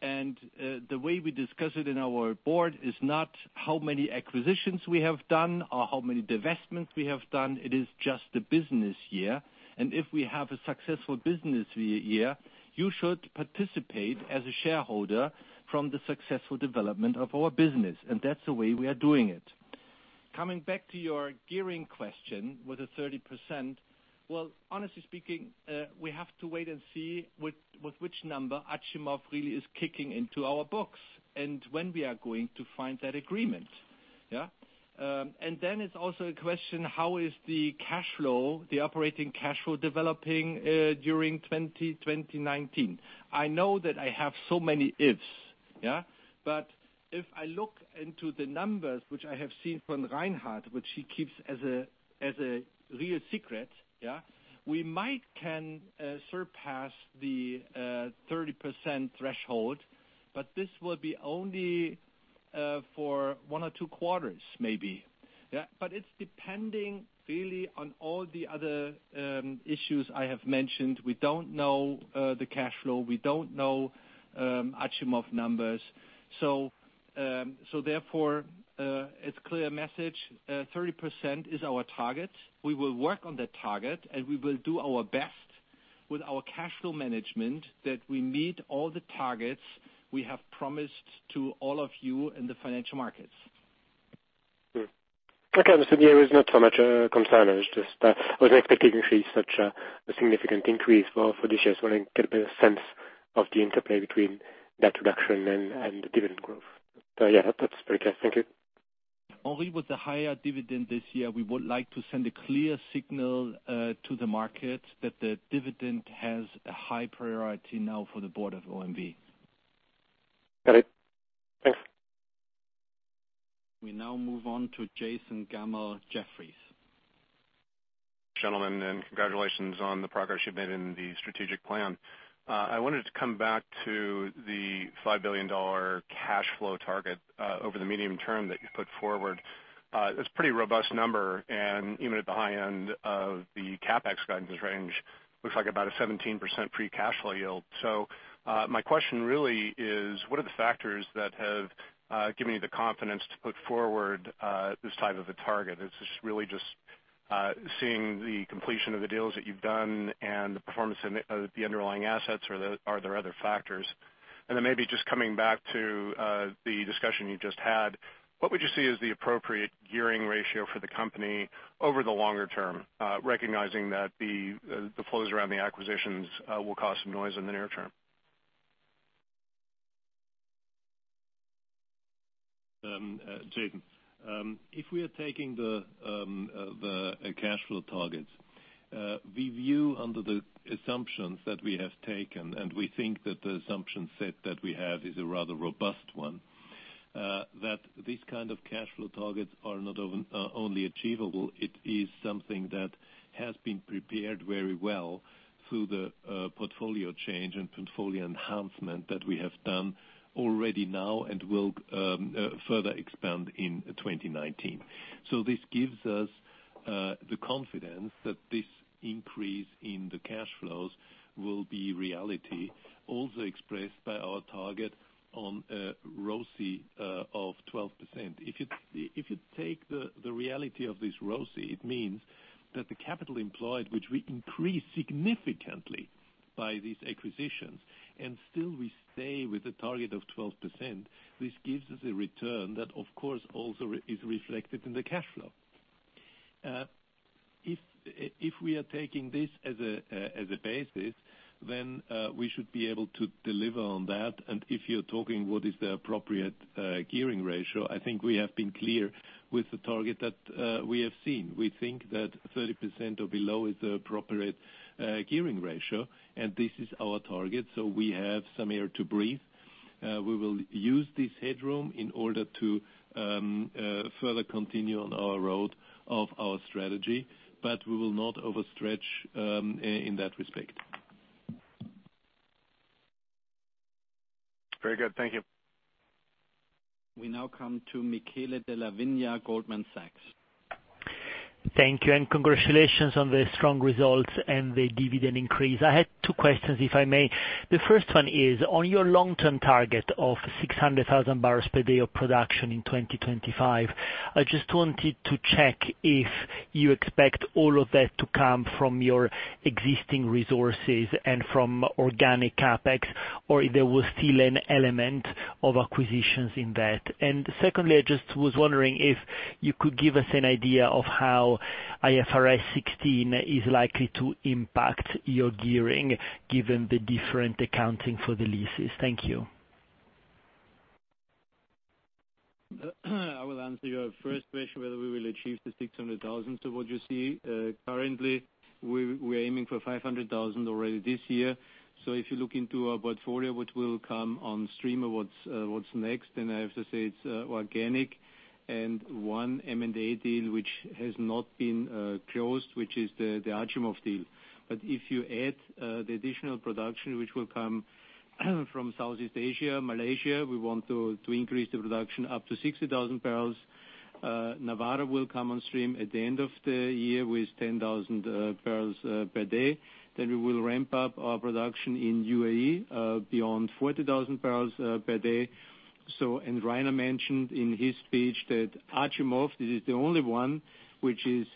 The way we discuss it in our board is not how many acquisitions we have done or how many divestments we have done. It is just the business year. If we have a successful business year, you should participate as a shareholder from the successful development of our business. That's the way we are doing it. Coming back to your gearing question with the 30%. Well, honestly speaking, we have to wait and see with which number Achimov really is kicking into our books and when we are going to find that agreement. Then it's also a question, how is the operating cash flow developing during 2019? I know that I have so many ifs. If I look into the numbers, which I have seen from Reinhard, which he keeps as a real secret. We might can surpass the 30% threshold, but this will be only for one or two quarters maybe. It's depending really on all the other issues I have mentioned. We don't know the cash flow. We don't know Achimov numbers. Therefore, it's clear message, 30% is our target. We will work on that target, and we will do our best with our cash flow management that we meet all the targets we have promised to all of you in the financial markets. Okay. There is not so much a concern. I wasn't expecting to see such a significant increase for this year. I just wanted to get a better sense of the interplay between that reduction and the dividend growth. Yeah, that's pretty clear. Thank you. Henri, with the higher dividend this year, we would like to send a clear signal to the market that the dividend has a high priority now for the board of OMV. Got it. Thanks. We now move on to Jason Gammel, Jefferies. Gentlemen, congratulations on the progress you've made in the strategic plan. I wanted to come back to the EUR 5 billion cash flow target over the medium term that you put forward. It's a pretty robust number, even at the high end of the CapEx guidance range, looks like about a 17% free cash flow yield. My question really is, what are the factors that have given you the confidence to put forward this type of a target? Is this really just seeing the completion of the deals that you've done and the performance of the underlying assets, or are there other factors? Maybe just coming back to the discussion you just had, what would you see as the appropriate gearing ratio for the company over the longer term, recognizing that the flows around the acquisitions will cause some noise in the near term? Jason, if we are taking the cash flow targets, we view under the assumptions that we have taken, and we think that the assumption set that we have is a rather robust one. That these kind of cash flow targets are not only achievable, it is something that has been prepared very well through the portfolio change and portfolio enhancement that we have done already now and will further expand in 2019. This gives us the confidence that this increase in the cash flows will be reality, also expressed by our target on ROCE of 12%. If you take the reality of this ROCE, it means that the capital employed, which we increased significantly by these acquisitions, and still we stay with a target of 12%. This gives us a return that, of course, also is reflected in the cash flow. If we are taking this as a basis, we should be able to deliver on that. If you're talking what is the appropriate gearing ratio, I think we have been clear with the target that we have seen. We think that 30% or below is the appropriate gearing ratio, and this is our target. We have some air to breathe. We will use this headroom in order to further continue on our road of our strategy, but we will not overstretch in that respect. Very good. Thank you. We now come to Michele Della Vigna, Goldman Sachs. Thank you, and congratulations on the strong results and the dividend increase. I had two questions, if I may. The first one is on your long-term target of 600,000 barrels per day of production in 2025. I just wanted to check if you expect all of that to come from your existing resources and from organic CapEx, or if there was still an element of acquisitions in that. Secondly, I just was wondering if you could give us an idea of how IFRS 16 is likely to impact your gearing given the different accounting for the leases. Thank you. I will answer your first question, whether we will achieve the 600,000 to what you see. Currently, we are aiming for 500,000 already this year. If you look into our portfolio, which will come on stream, what's next, and I have to say it's organic and one M&A deal which has not been closed, which is the Achimov deal. If you add the additional production which will come from Southeast Asia, Malaysia, we want to increase the production up to 60,000 barrels. Nawara will come on stream at the end of the year with 10,000 barrels per day. Then we will ramp up our production in U.A.E. beyond 40,000 barrels per day. Rainer mentioned in his speech that Achimov, this is the only one which is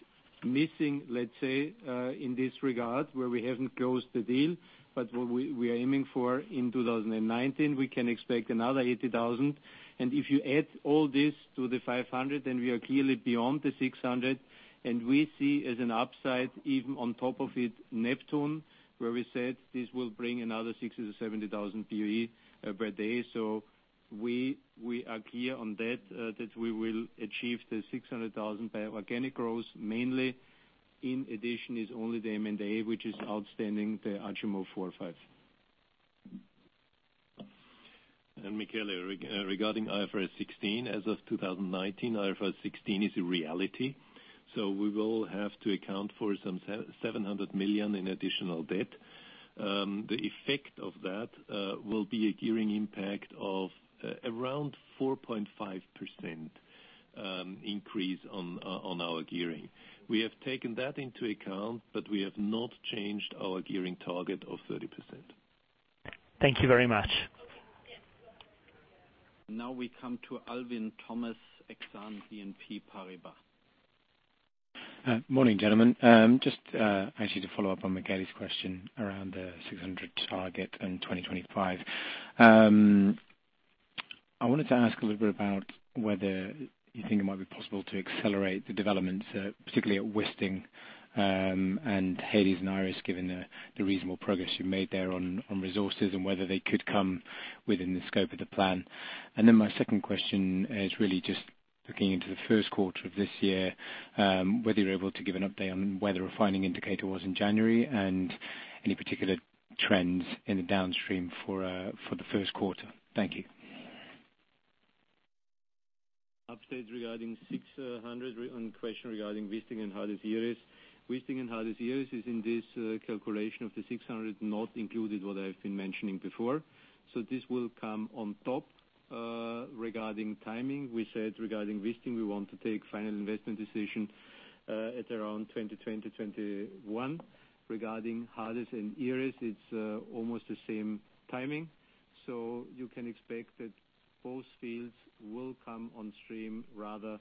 missing, let's say, in this regard, where we haven't closed the deal, but what we are aiming for in 2019. We can expect another 80,000. If you add all this to the 500, then we are clearly beyond the 600, and we see as an upside even on top of it Neptun, where we said this will bring another 60,000-70,000 BOE per day. We are clear on that we will achieve the 600,000 by organic growth mainly. In addition is only the M&A which is outstanding, the Achimov four and five. Michele, regarding IFRS 16, as of 2019, IFRS 16 is a reality. We will have to account for some 700 million in additional debt. The effect of that will be a gearing impact of around 4.5% increase on our gearing. We have taken that into account, but we have not changed our gearing target of 30%. Thank you very much. Now we come to Alvin Thomas, Exane BNP Paribas. Morning, gentlemen. Just actually to follow up on Michele's question around the 600 target and 2025. I wanted to ask a little bit about whether you think it might be possible to accelerate the developments, particularly at Wisting, and Hades and Iris, given the reasonable progress you've made there on resources, whether they could come within the scope of the plan. Then my second question is really just looking into the first quarter of this year, whether you're able to give an update on where the refining indicator was in January and any particular trends in the downstream for the first quarter. Thank you. Update regarding 600 on question regarding Wisting and Hades and Iris. Wisting and Hades and Iris is in this calculation of the 600 not included what I've been mentioning before. This will come on top. Regarding timing, we said regarding Wisting, we want to take final investment decision at around 2020, 2021. Regarding Hades and Iris, it's almost the same timing. You can expect that both fields will come on stream rather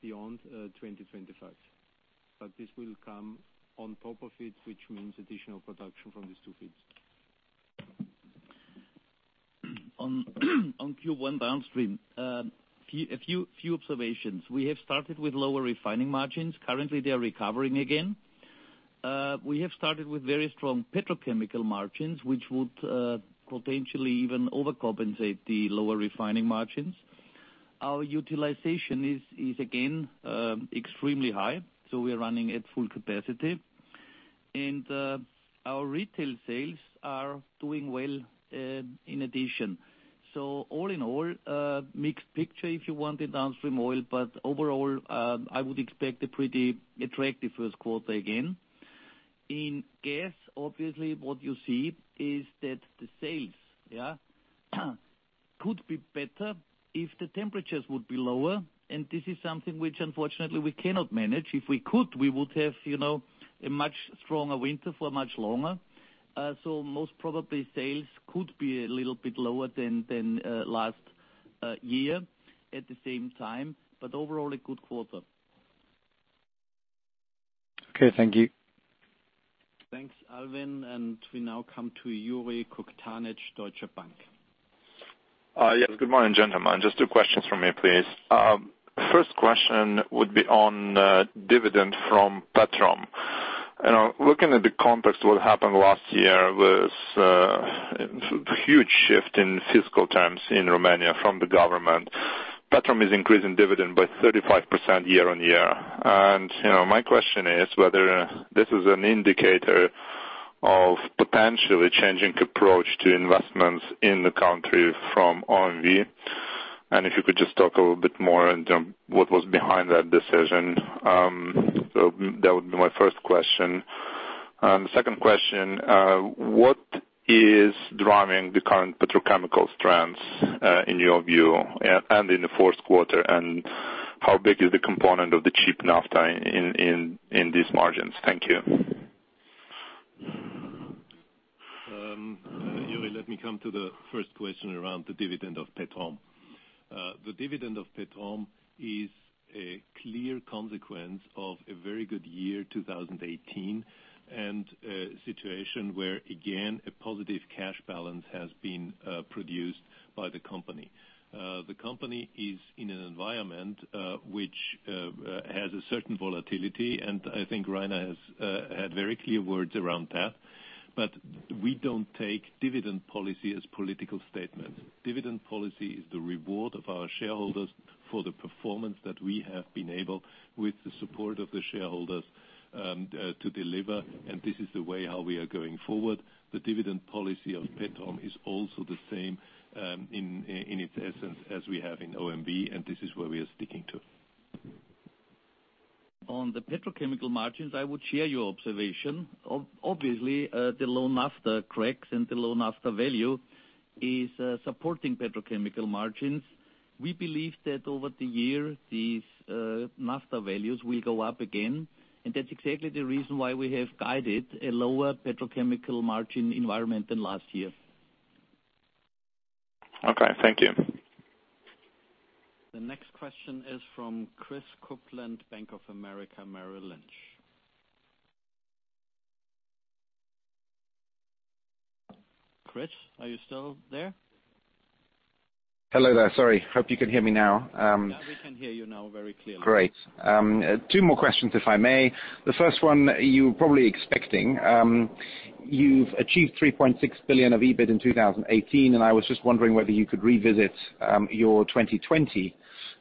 beyond 2025. This will come on top of it, which means additional production from these two fields. On Q1 downstream, a few observations. We have started with lower refining margins. Currently they are recovering again. We have started with very strong petrochemical margins, which would potentially even overcompensate the lower refining margins. Our utilization is again extremely high, we are running at full capacity. Our retail sales are doing well in addition. All in all, a mixed picture if you want the downstream oil. Overall, I would expect a pretty attractive first quarter again. In gas, obviously what you see is that the sales could be better if the temperatures would be lower, this is something which unfortunately we cannot manage. If we could, we would have a much stronger winter for much longer. Most probably sales could be a little bit lower than last year at the same time, but overall a good quarter. Okay. Thank you. Thanks, Alvin. We now come to Yuriy Kukhtanych, Deutsche Bank. Yes. Good morning, gentlemen. Just two questions from me, please. First question would be on dividend from Petrom. Looking at the context of what happened last year with a huge shift in fiscal terms in Romania from the government, Petrom is increasing dividend by 35% year-over-year. My question is whether this is an indicator of potentially changing approach to investments in the country from OMV, and if you could just talk a little bit more in term what was behind that decision. That would be my first question. The second question, what is driving the current petrochemical trends, in your view? In the fourth quarter, and how big is the component of the cheap naphtha in these margins? Thank you. Yuriy, let me come to the first question around the dividend of Petrom. The dividend of Petrom is a clear consequence of a very good year 2018, and a situation where, again, a positive cash balance has been produced by the company. The company is in an environment which has a certain volatility, and I think Rainer has had very clear words around that. We don't take dividend policy as political statement. Dividend policy is the reward of our shareholders for the performance that we have been able, with the support of the shareholders, to deliver. This is the way how we are going forward. The dividend policy of Petrom is also the same, in its essence, as we have in OMV, and this is where we are sticking to. On the petrochemical margins, I would share your observation. Obviously, the low naphtha cracks and the low naphtha value is supporting petrochemical margins. We believe that over the year, these naphtha values will go up again. That's exactly the reason why we have guided a lower petrochemical margin environment than last year. Okay, thank you. The next question is from Chris Kuplent, Bank of America Merrill Lynch. Chris, are you still there? Hello there. Sorry. Hope you can hear me now. Yeah, we can hear you now very clearly. Great. Two more questions, if I may. The first one you were probably expecting. You've achieved 3.6 billion of EBIT in 2018, I was just wondering whether you could revisit your 2020,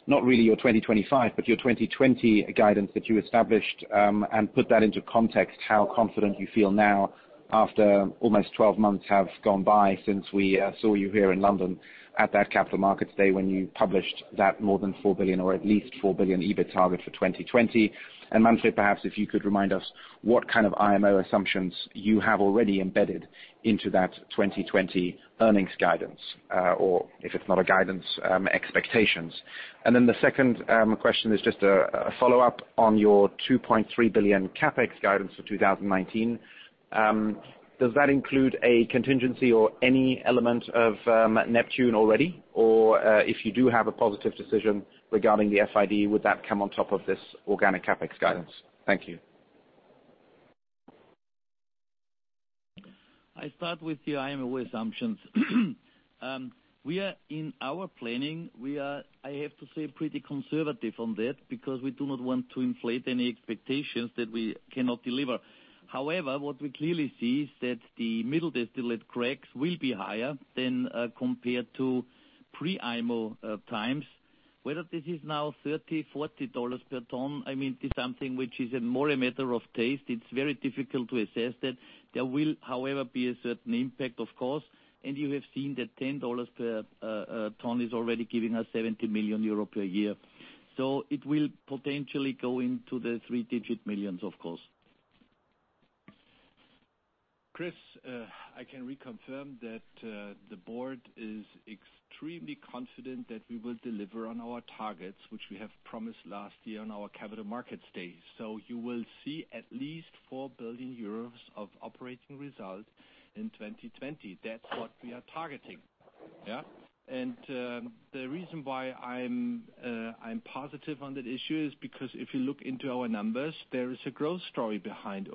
not really your 2025, but your 2020 guidance that you established, put that into context, how confident you feel now after almost 12 months have gone by since we saw you here in London at that Capital Markets Day when you published that more than 4 billion or at least 4 billion EBIT target for 2020. Manfred, perhaps if you could remind us what kind of IMO assumptions you have already embedded into that 2020 earnings guidance, or if it's not a guidance, expectations. The second question is just a follow-up on your 2.3 billion CapEx guidance for 2019. Does that include a contingency or any element of Neptun already? If you do have a positive decision regarding the FID, would that come on top of this organic CapEx guidance? Thank you. I start with the IMO assumptions. In our planning, we are, I have to say, pretty conservative on that because we do not want to inflate any expectations that we cannot deliver. However, what we clearly see is that the middle distillate cracks will be higher than compared to pre-IMO times. Whether this is now 30, EUR 40 per ton, I mean, this is something which is more a matter of taste. It's very difficult to assess that. There will, however, be a certain impact, of course. You have seen that EUR 10 per ton is already giving us 70 million euro per year. It will potentially go into the three-digit millions, of course. Chris, I can reconfirm that the board is extremely confident that we will deliver on our targets, which we have promised last year on our Capital Markets Day. You will see at least 4 billion euros of operating result in 2020. That's what we are targeting. The reason why I'm positive on that issue is because if you look into our numbers, there is a growth story behind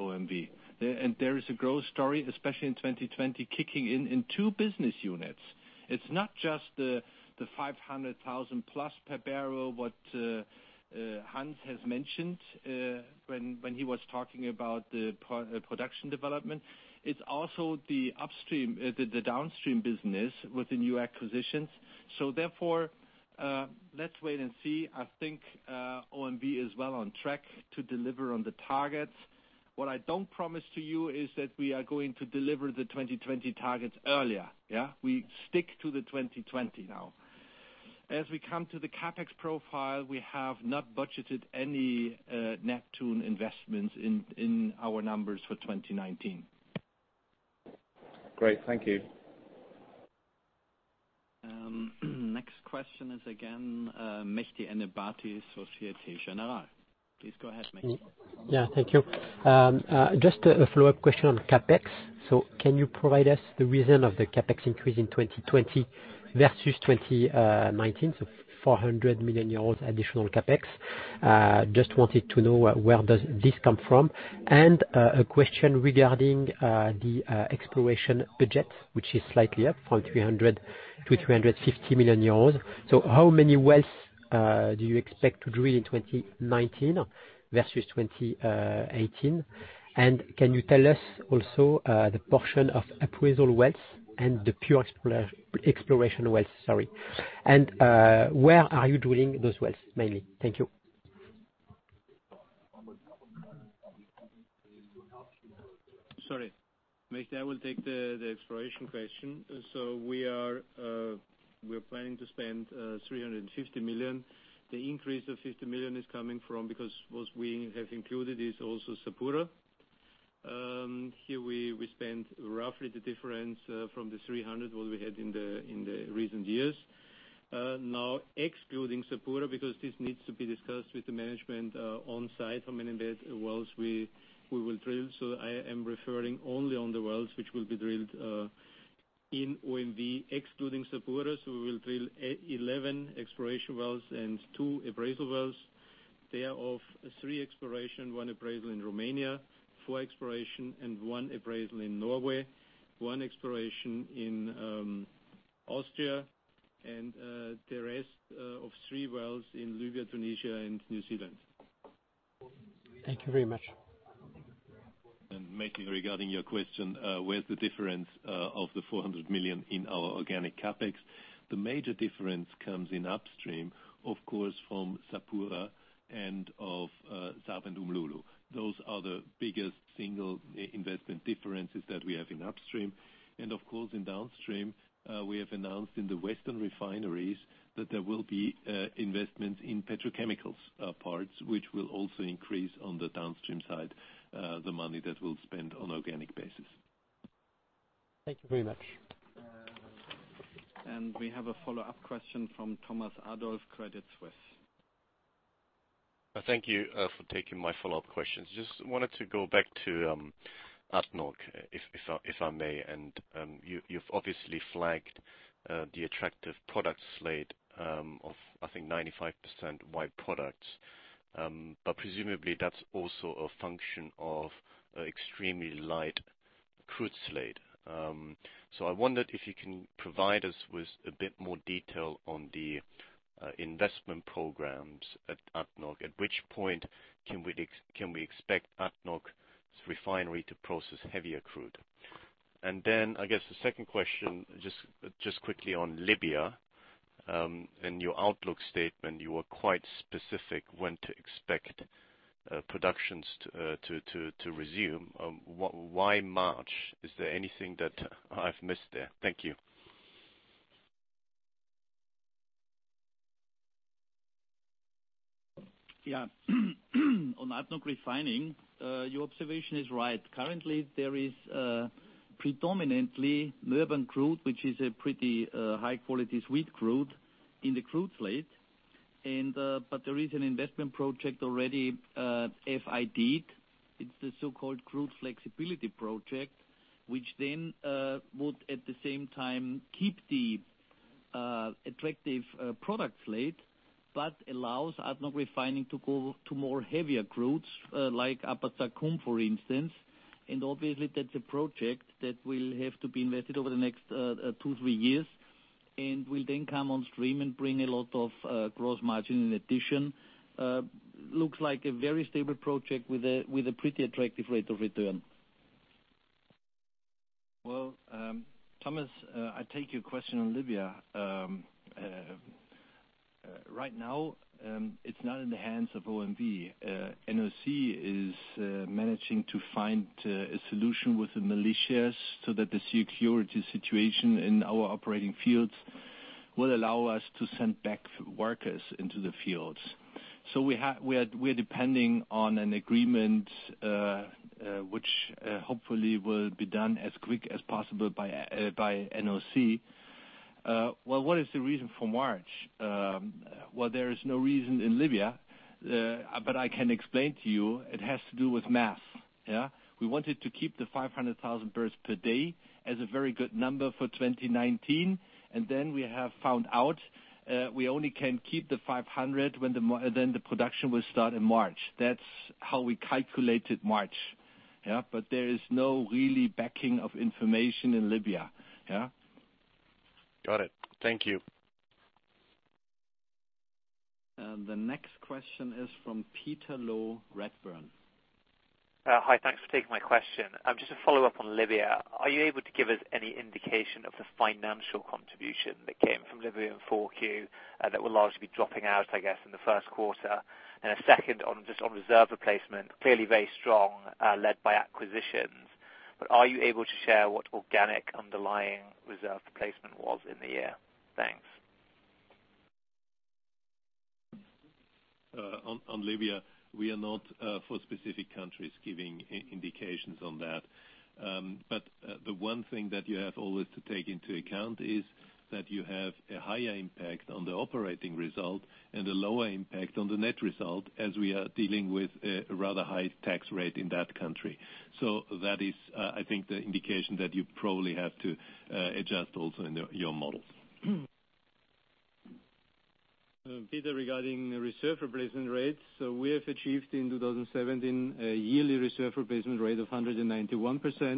OMV. There is a growth story, especially in 2020, kicking in in two business units. It's not just the 500,000-plus per barrel, what Hans has mentioned when he was talking about the production development. It's also the downstream business with the new acquisitions. Therefore, let's wait and see. I think OMV is well on track to deliver on the targets. What I don't promise to you is that we are going to deliver the 2020 targets earlier. We stick to the 2020 now. As we come to the CapEx profile, we have not budgeted any Neptun investments in our numbers for 2019. Great. Thank you. Next question is again, Mehdi Ennebati, Société Générale. Please go ahead, Mehdi. Yeah, thank you. Just a follow-up question on CapEx. Can you provide us the reason of the CapEx increase in 2020 versus 2019? 400 million euros additional CapEx. Just wanted to know where does this come from? A question regarding the exploration budget, which is slightly up from 300 million to 350 million euros. How many wells do you expect to drill in 2019 versus 2018? Can you tell us also the portion of appraisal wells and the pure exploration wells, sorry. Where are you drilling those wells, mainly? Thank you. Sorry. Mehdi, I will take the exploration question. We are planning to spend 350 million. The increase of 50 million is coming from, because what we have included is also SapuraOMV. Here we spend roughly the difference from the 300 million, what we had in the recent years. Excluding SapuraOMV, because this needs to be discussed with the management on-site, how many wells we will drill. I am referring only on the wells which will be drilled in OMV, excluding SapuraOMV. We will drill 11 exploration wells and two appraisal wells. They are of three exploration, one appraisal in Romania, four exploration and one appraisal in Norway, one exploration in Austria, and the rest of three wells in Libya, Tunisia, and New Zealand. Thank you very much. Mehdi, regarding your question, where's the difference of the 400 million in our organic CapEx? The major difference comes in upstream, of course, from Sapura and SARB and Umm Lulu. Those are the biggest single investment differences that we have in upstream. Of course, in downstream, we have announced in the western refineries that there will be investments in petrochemicals parts, which will also increase on the downstream side, the money that we'll spend on organic basis. Thank you very much. We have a follow-up question from Thomas Adolff, Credit Suisse. Thank you for taking my follow-up questions. Just wanted to go back to ADNOC, if I may. You've obviously flagged the attractive product slate of, I think, 95% white products. Presumably that's also a function of extremely light crude slate. I wondered if you can provide us with a bit more detail on the investment programs at ADNOC. At which point can we expect ADNOC's refinery to process heavier crude? Then, I guess the second question, just quickly on Libya. In your outlook statement, you were quite specific when to expect productions to resume. Why March? Is there anything that I've missed there? Thank you. Yeah. On ADNOC Refining, your observation is right. Currently, there is predominantly Murban crude, which is a pretty high-quality sweet crude in the crude slate. There is an investment project already FID-ed. It's the so-called Crude Flexibility Project, which then would at the same time keep the attractive product slate, but allows ADNOC Refining to go to more heavier crudes, like Upper Zakum, for instance. Obviously, that's a project that will have to be invested over the next two, three years and will then come on stream and bring a lot of gross margin in addition. Looks like a very stable project with a pretty attractive rate of return. Well, Thomas, I take your question on Libya. Right now, it's not in the hands of OMV. NOC is managing to find a solution with the militias so that the security situation in our operating fields will allow us to send back workers into the fields. We are depending on an agreement, which hopefully will be done as quick as possible by NOC. Well, what is the reason for March? Well, there is no reason in Libya. I can explain to you, it has to do with math. Yeah? We wanted to keep the 500,000 barrels per day as a very good number for 2019, and then we have found out we only can keep the 500 when the production will start in March. That's how we calculated March. Yeah? There is no really backing of information in Libya. Yeah? Got it. Thank you. The next question is from Peter Low, Redburn. Hi, thanks for taking my question. Just a follow-up on Libya. Are you able to give us any indication of the financial contribution that came from Libya in Q4 that will largely be dropping out, I guess, in the first quarter? Second, on reserve replacement, clearly very strong, led by acquisitions. Are you able to share what organic underlying reserve replacement was in the year? Thanks. On Libya, we are not, for specific countries, giving indications on that. The one thing that you have always to take into account is that you have a higher impact on the operating result and a lower impact on the net result, as we are dealing with a rather high tax rate in that country. That is, I think, the indication that you probably have to adjust also in your models. Peter, regarding reserve replacement rates, we have achieved in 2017 a yearly reserve replacement rate of 191%,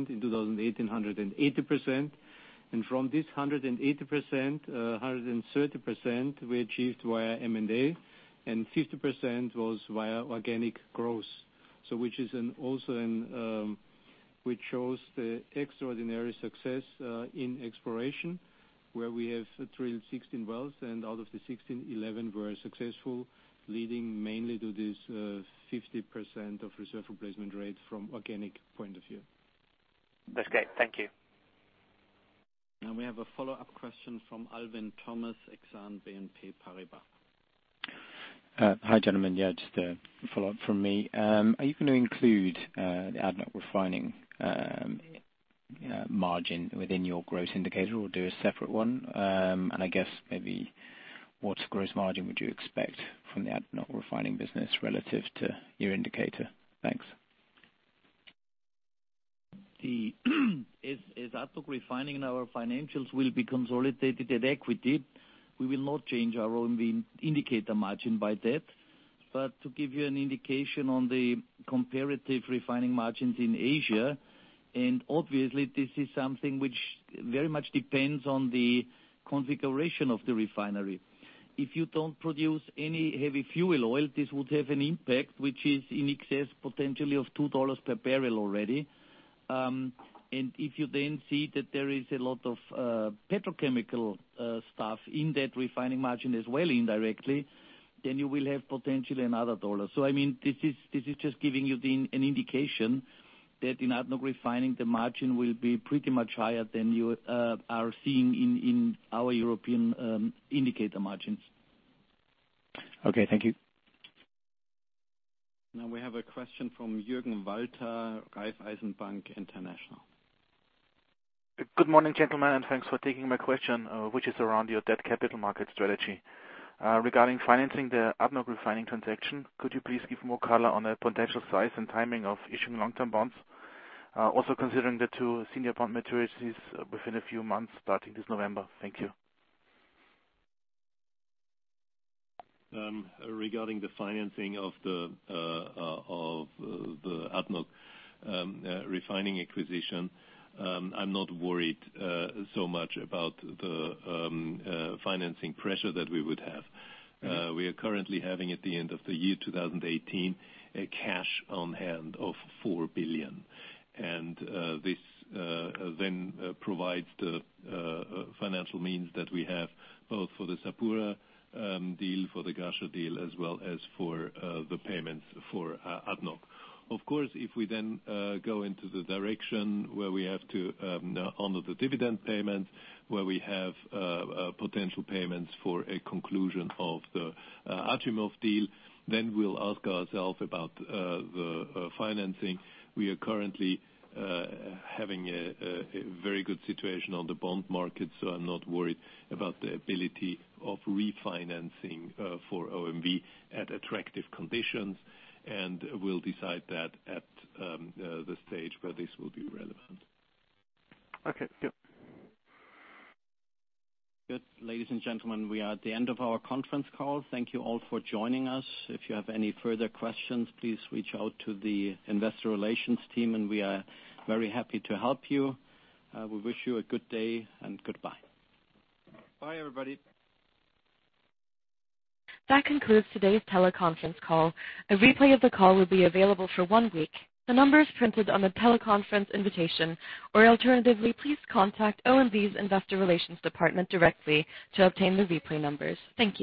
in 2018, 180%. From this 180%, 130% we achieved via M&A, and 50% was via organic growth. Which shows the extraordinary success in exploration, where we have drilled 16 wells, and out of the 16, 11 were successful, leading mainly to this 50% of reserve replacement rate from organic point of view. That's great. Thank you. Now we have a follow-up question from Alvin Thomas, Exane BNP Paribas. Hi, gentlemen. Just a follow-up from me. Are you going to include the ADNOC Refining margin within your gross indicator or do a separate one? I guess maybe what gross margin would you expect from the ADNOC Refining business relative to your indicator? Thanks. As ADNOC Refining in our financials will be consolidated at equity, we will not change our OMV indicator margin by that. To give you an indication on the comparative refining margins in Asia, obviously this is something which very much depends on the configuration of the refinery. If you do not produce any heavy fuel oil, this would have an impact which is in excess potentially of $2 per barrel already. If you then see that there is a lot of petrochemical stuff in that refining margin as well indirectly, you will have potentially another dollar. This is just giving you an indication that in ADNOC Refining, the margin will be pretty much higher than you are seeing in our European indicator margins. Okay, thank you. We have a question from Jürgen Walter, Raiffeisen Bank International. Good morning, gentlemen, and thanks for taking my question, which is around your debt capital market strategy. Regarding financing the ADNOC Refining transaction, could you please give more color on the potential size and timing of issuing long-term bonds? Also considering the two senior bond maturities within a few months, starting this November. Thank you. Regarding the financing of the ADNOC Refining acquisition, I'm not worried so much about the financing pressure that we would have. We are currently having, at the end of the year 2018, a cash on hand of 4 billion. This then provides the financial means that we have both for the Sapura deal, for the Ghasha deal, as well as for the payments for ADNOC. Of course, if we then go into the direction where we have to honor the dividend payment, where we have potential payments for a conclusion of the Achimov deal, then we'll ask ourself about the financing. We are currently having a very good situation on the bond market, so I'm not worried about the ability of refinancing for OMV at attractive conditions. We'll decide that at the stage where this will be relevant. Okay, thank you. Good. Ladies and gentlemen, we are at the end of our conference call. Thank you all for joining us. If you have any further questions, please reach out to the investor relations team and we are very happy to help you. We wish you a good day, and goodbye. Bye everybody. That concludes today's teleconference call. A replay of the call will be available for one week. The number is printed on the teleconference invitation, or alternatively, please contact OMV's Investor Relations Department directly to obtain the replay numbers. Thank you.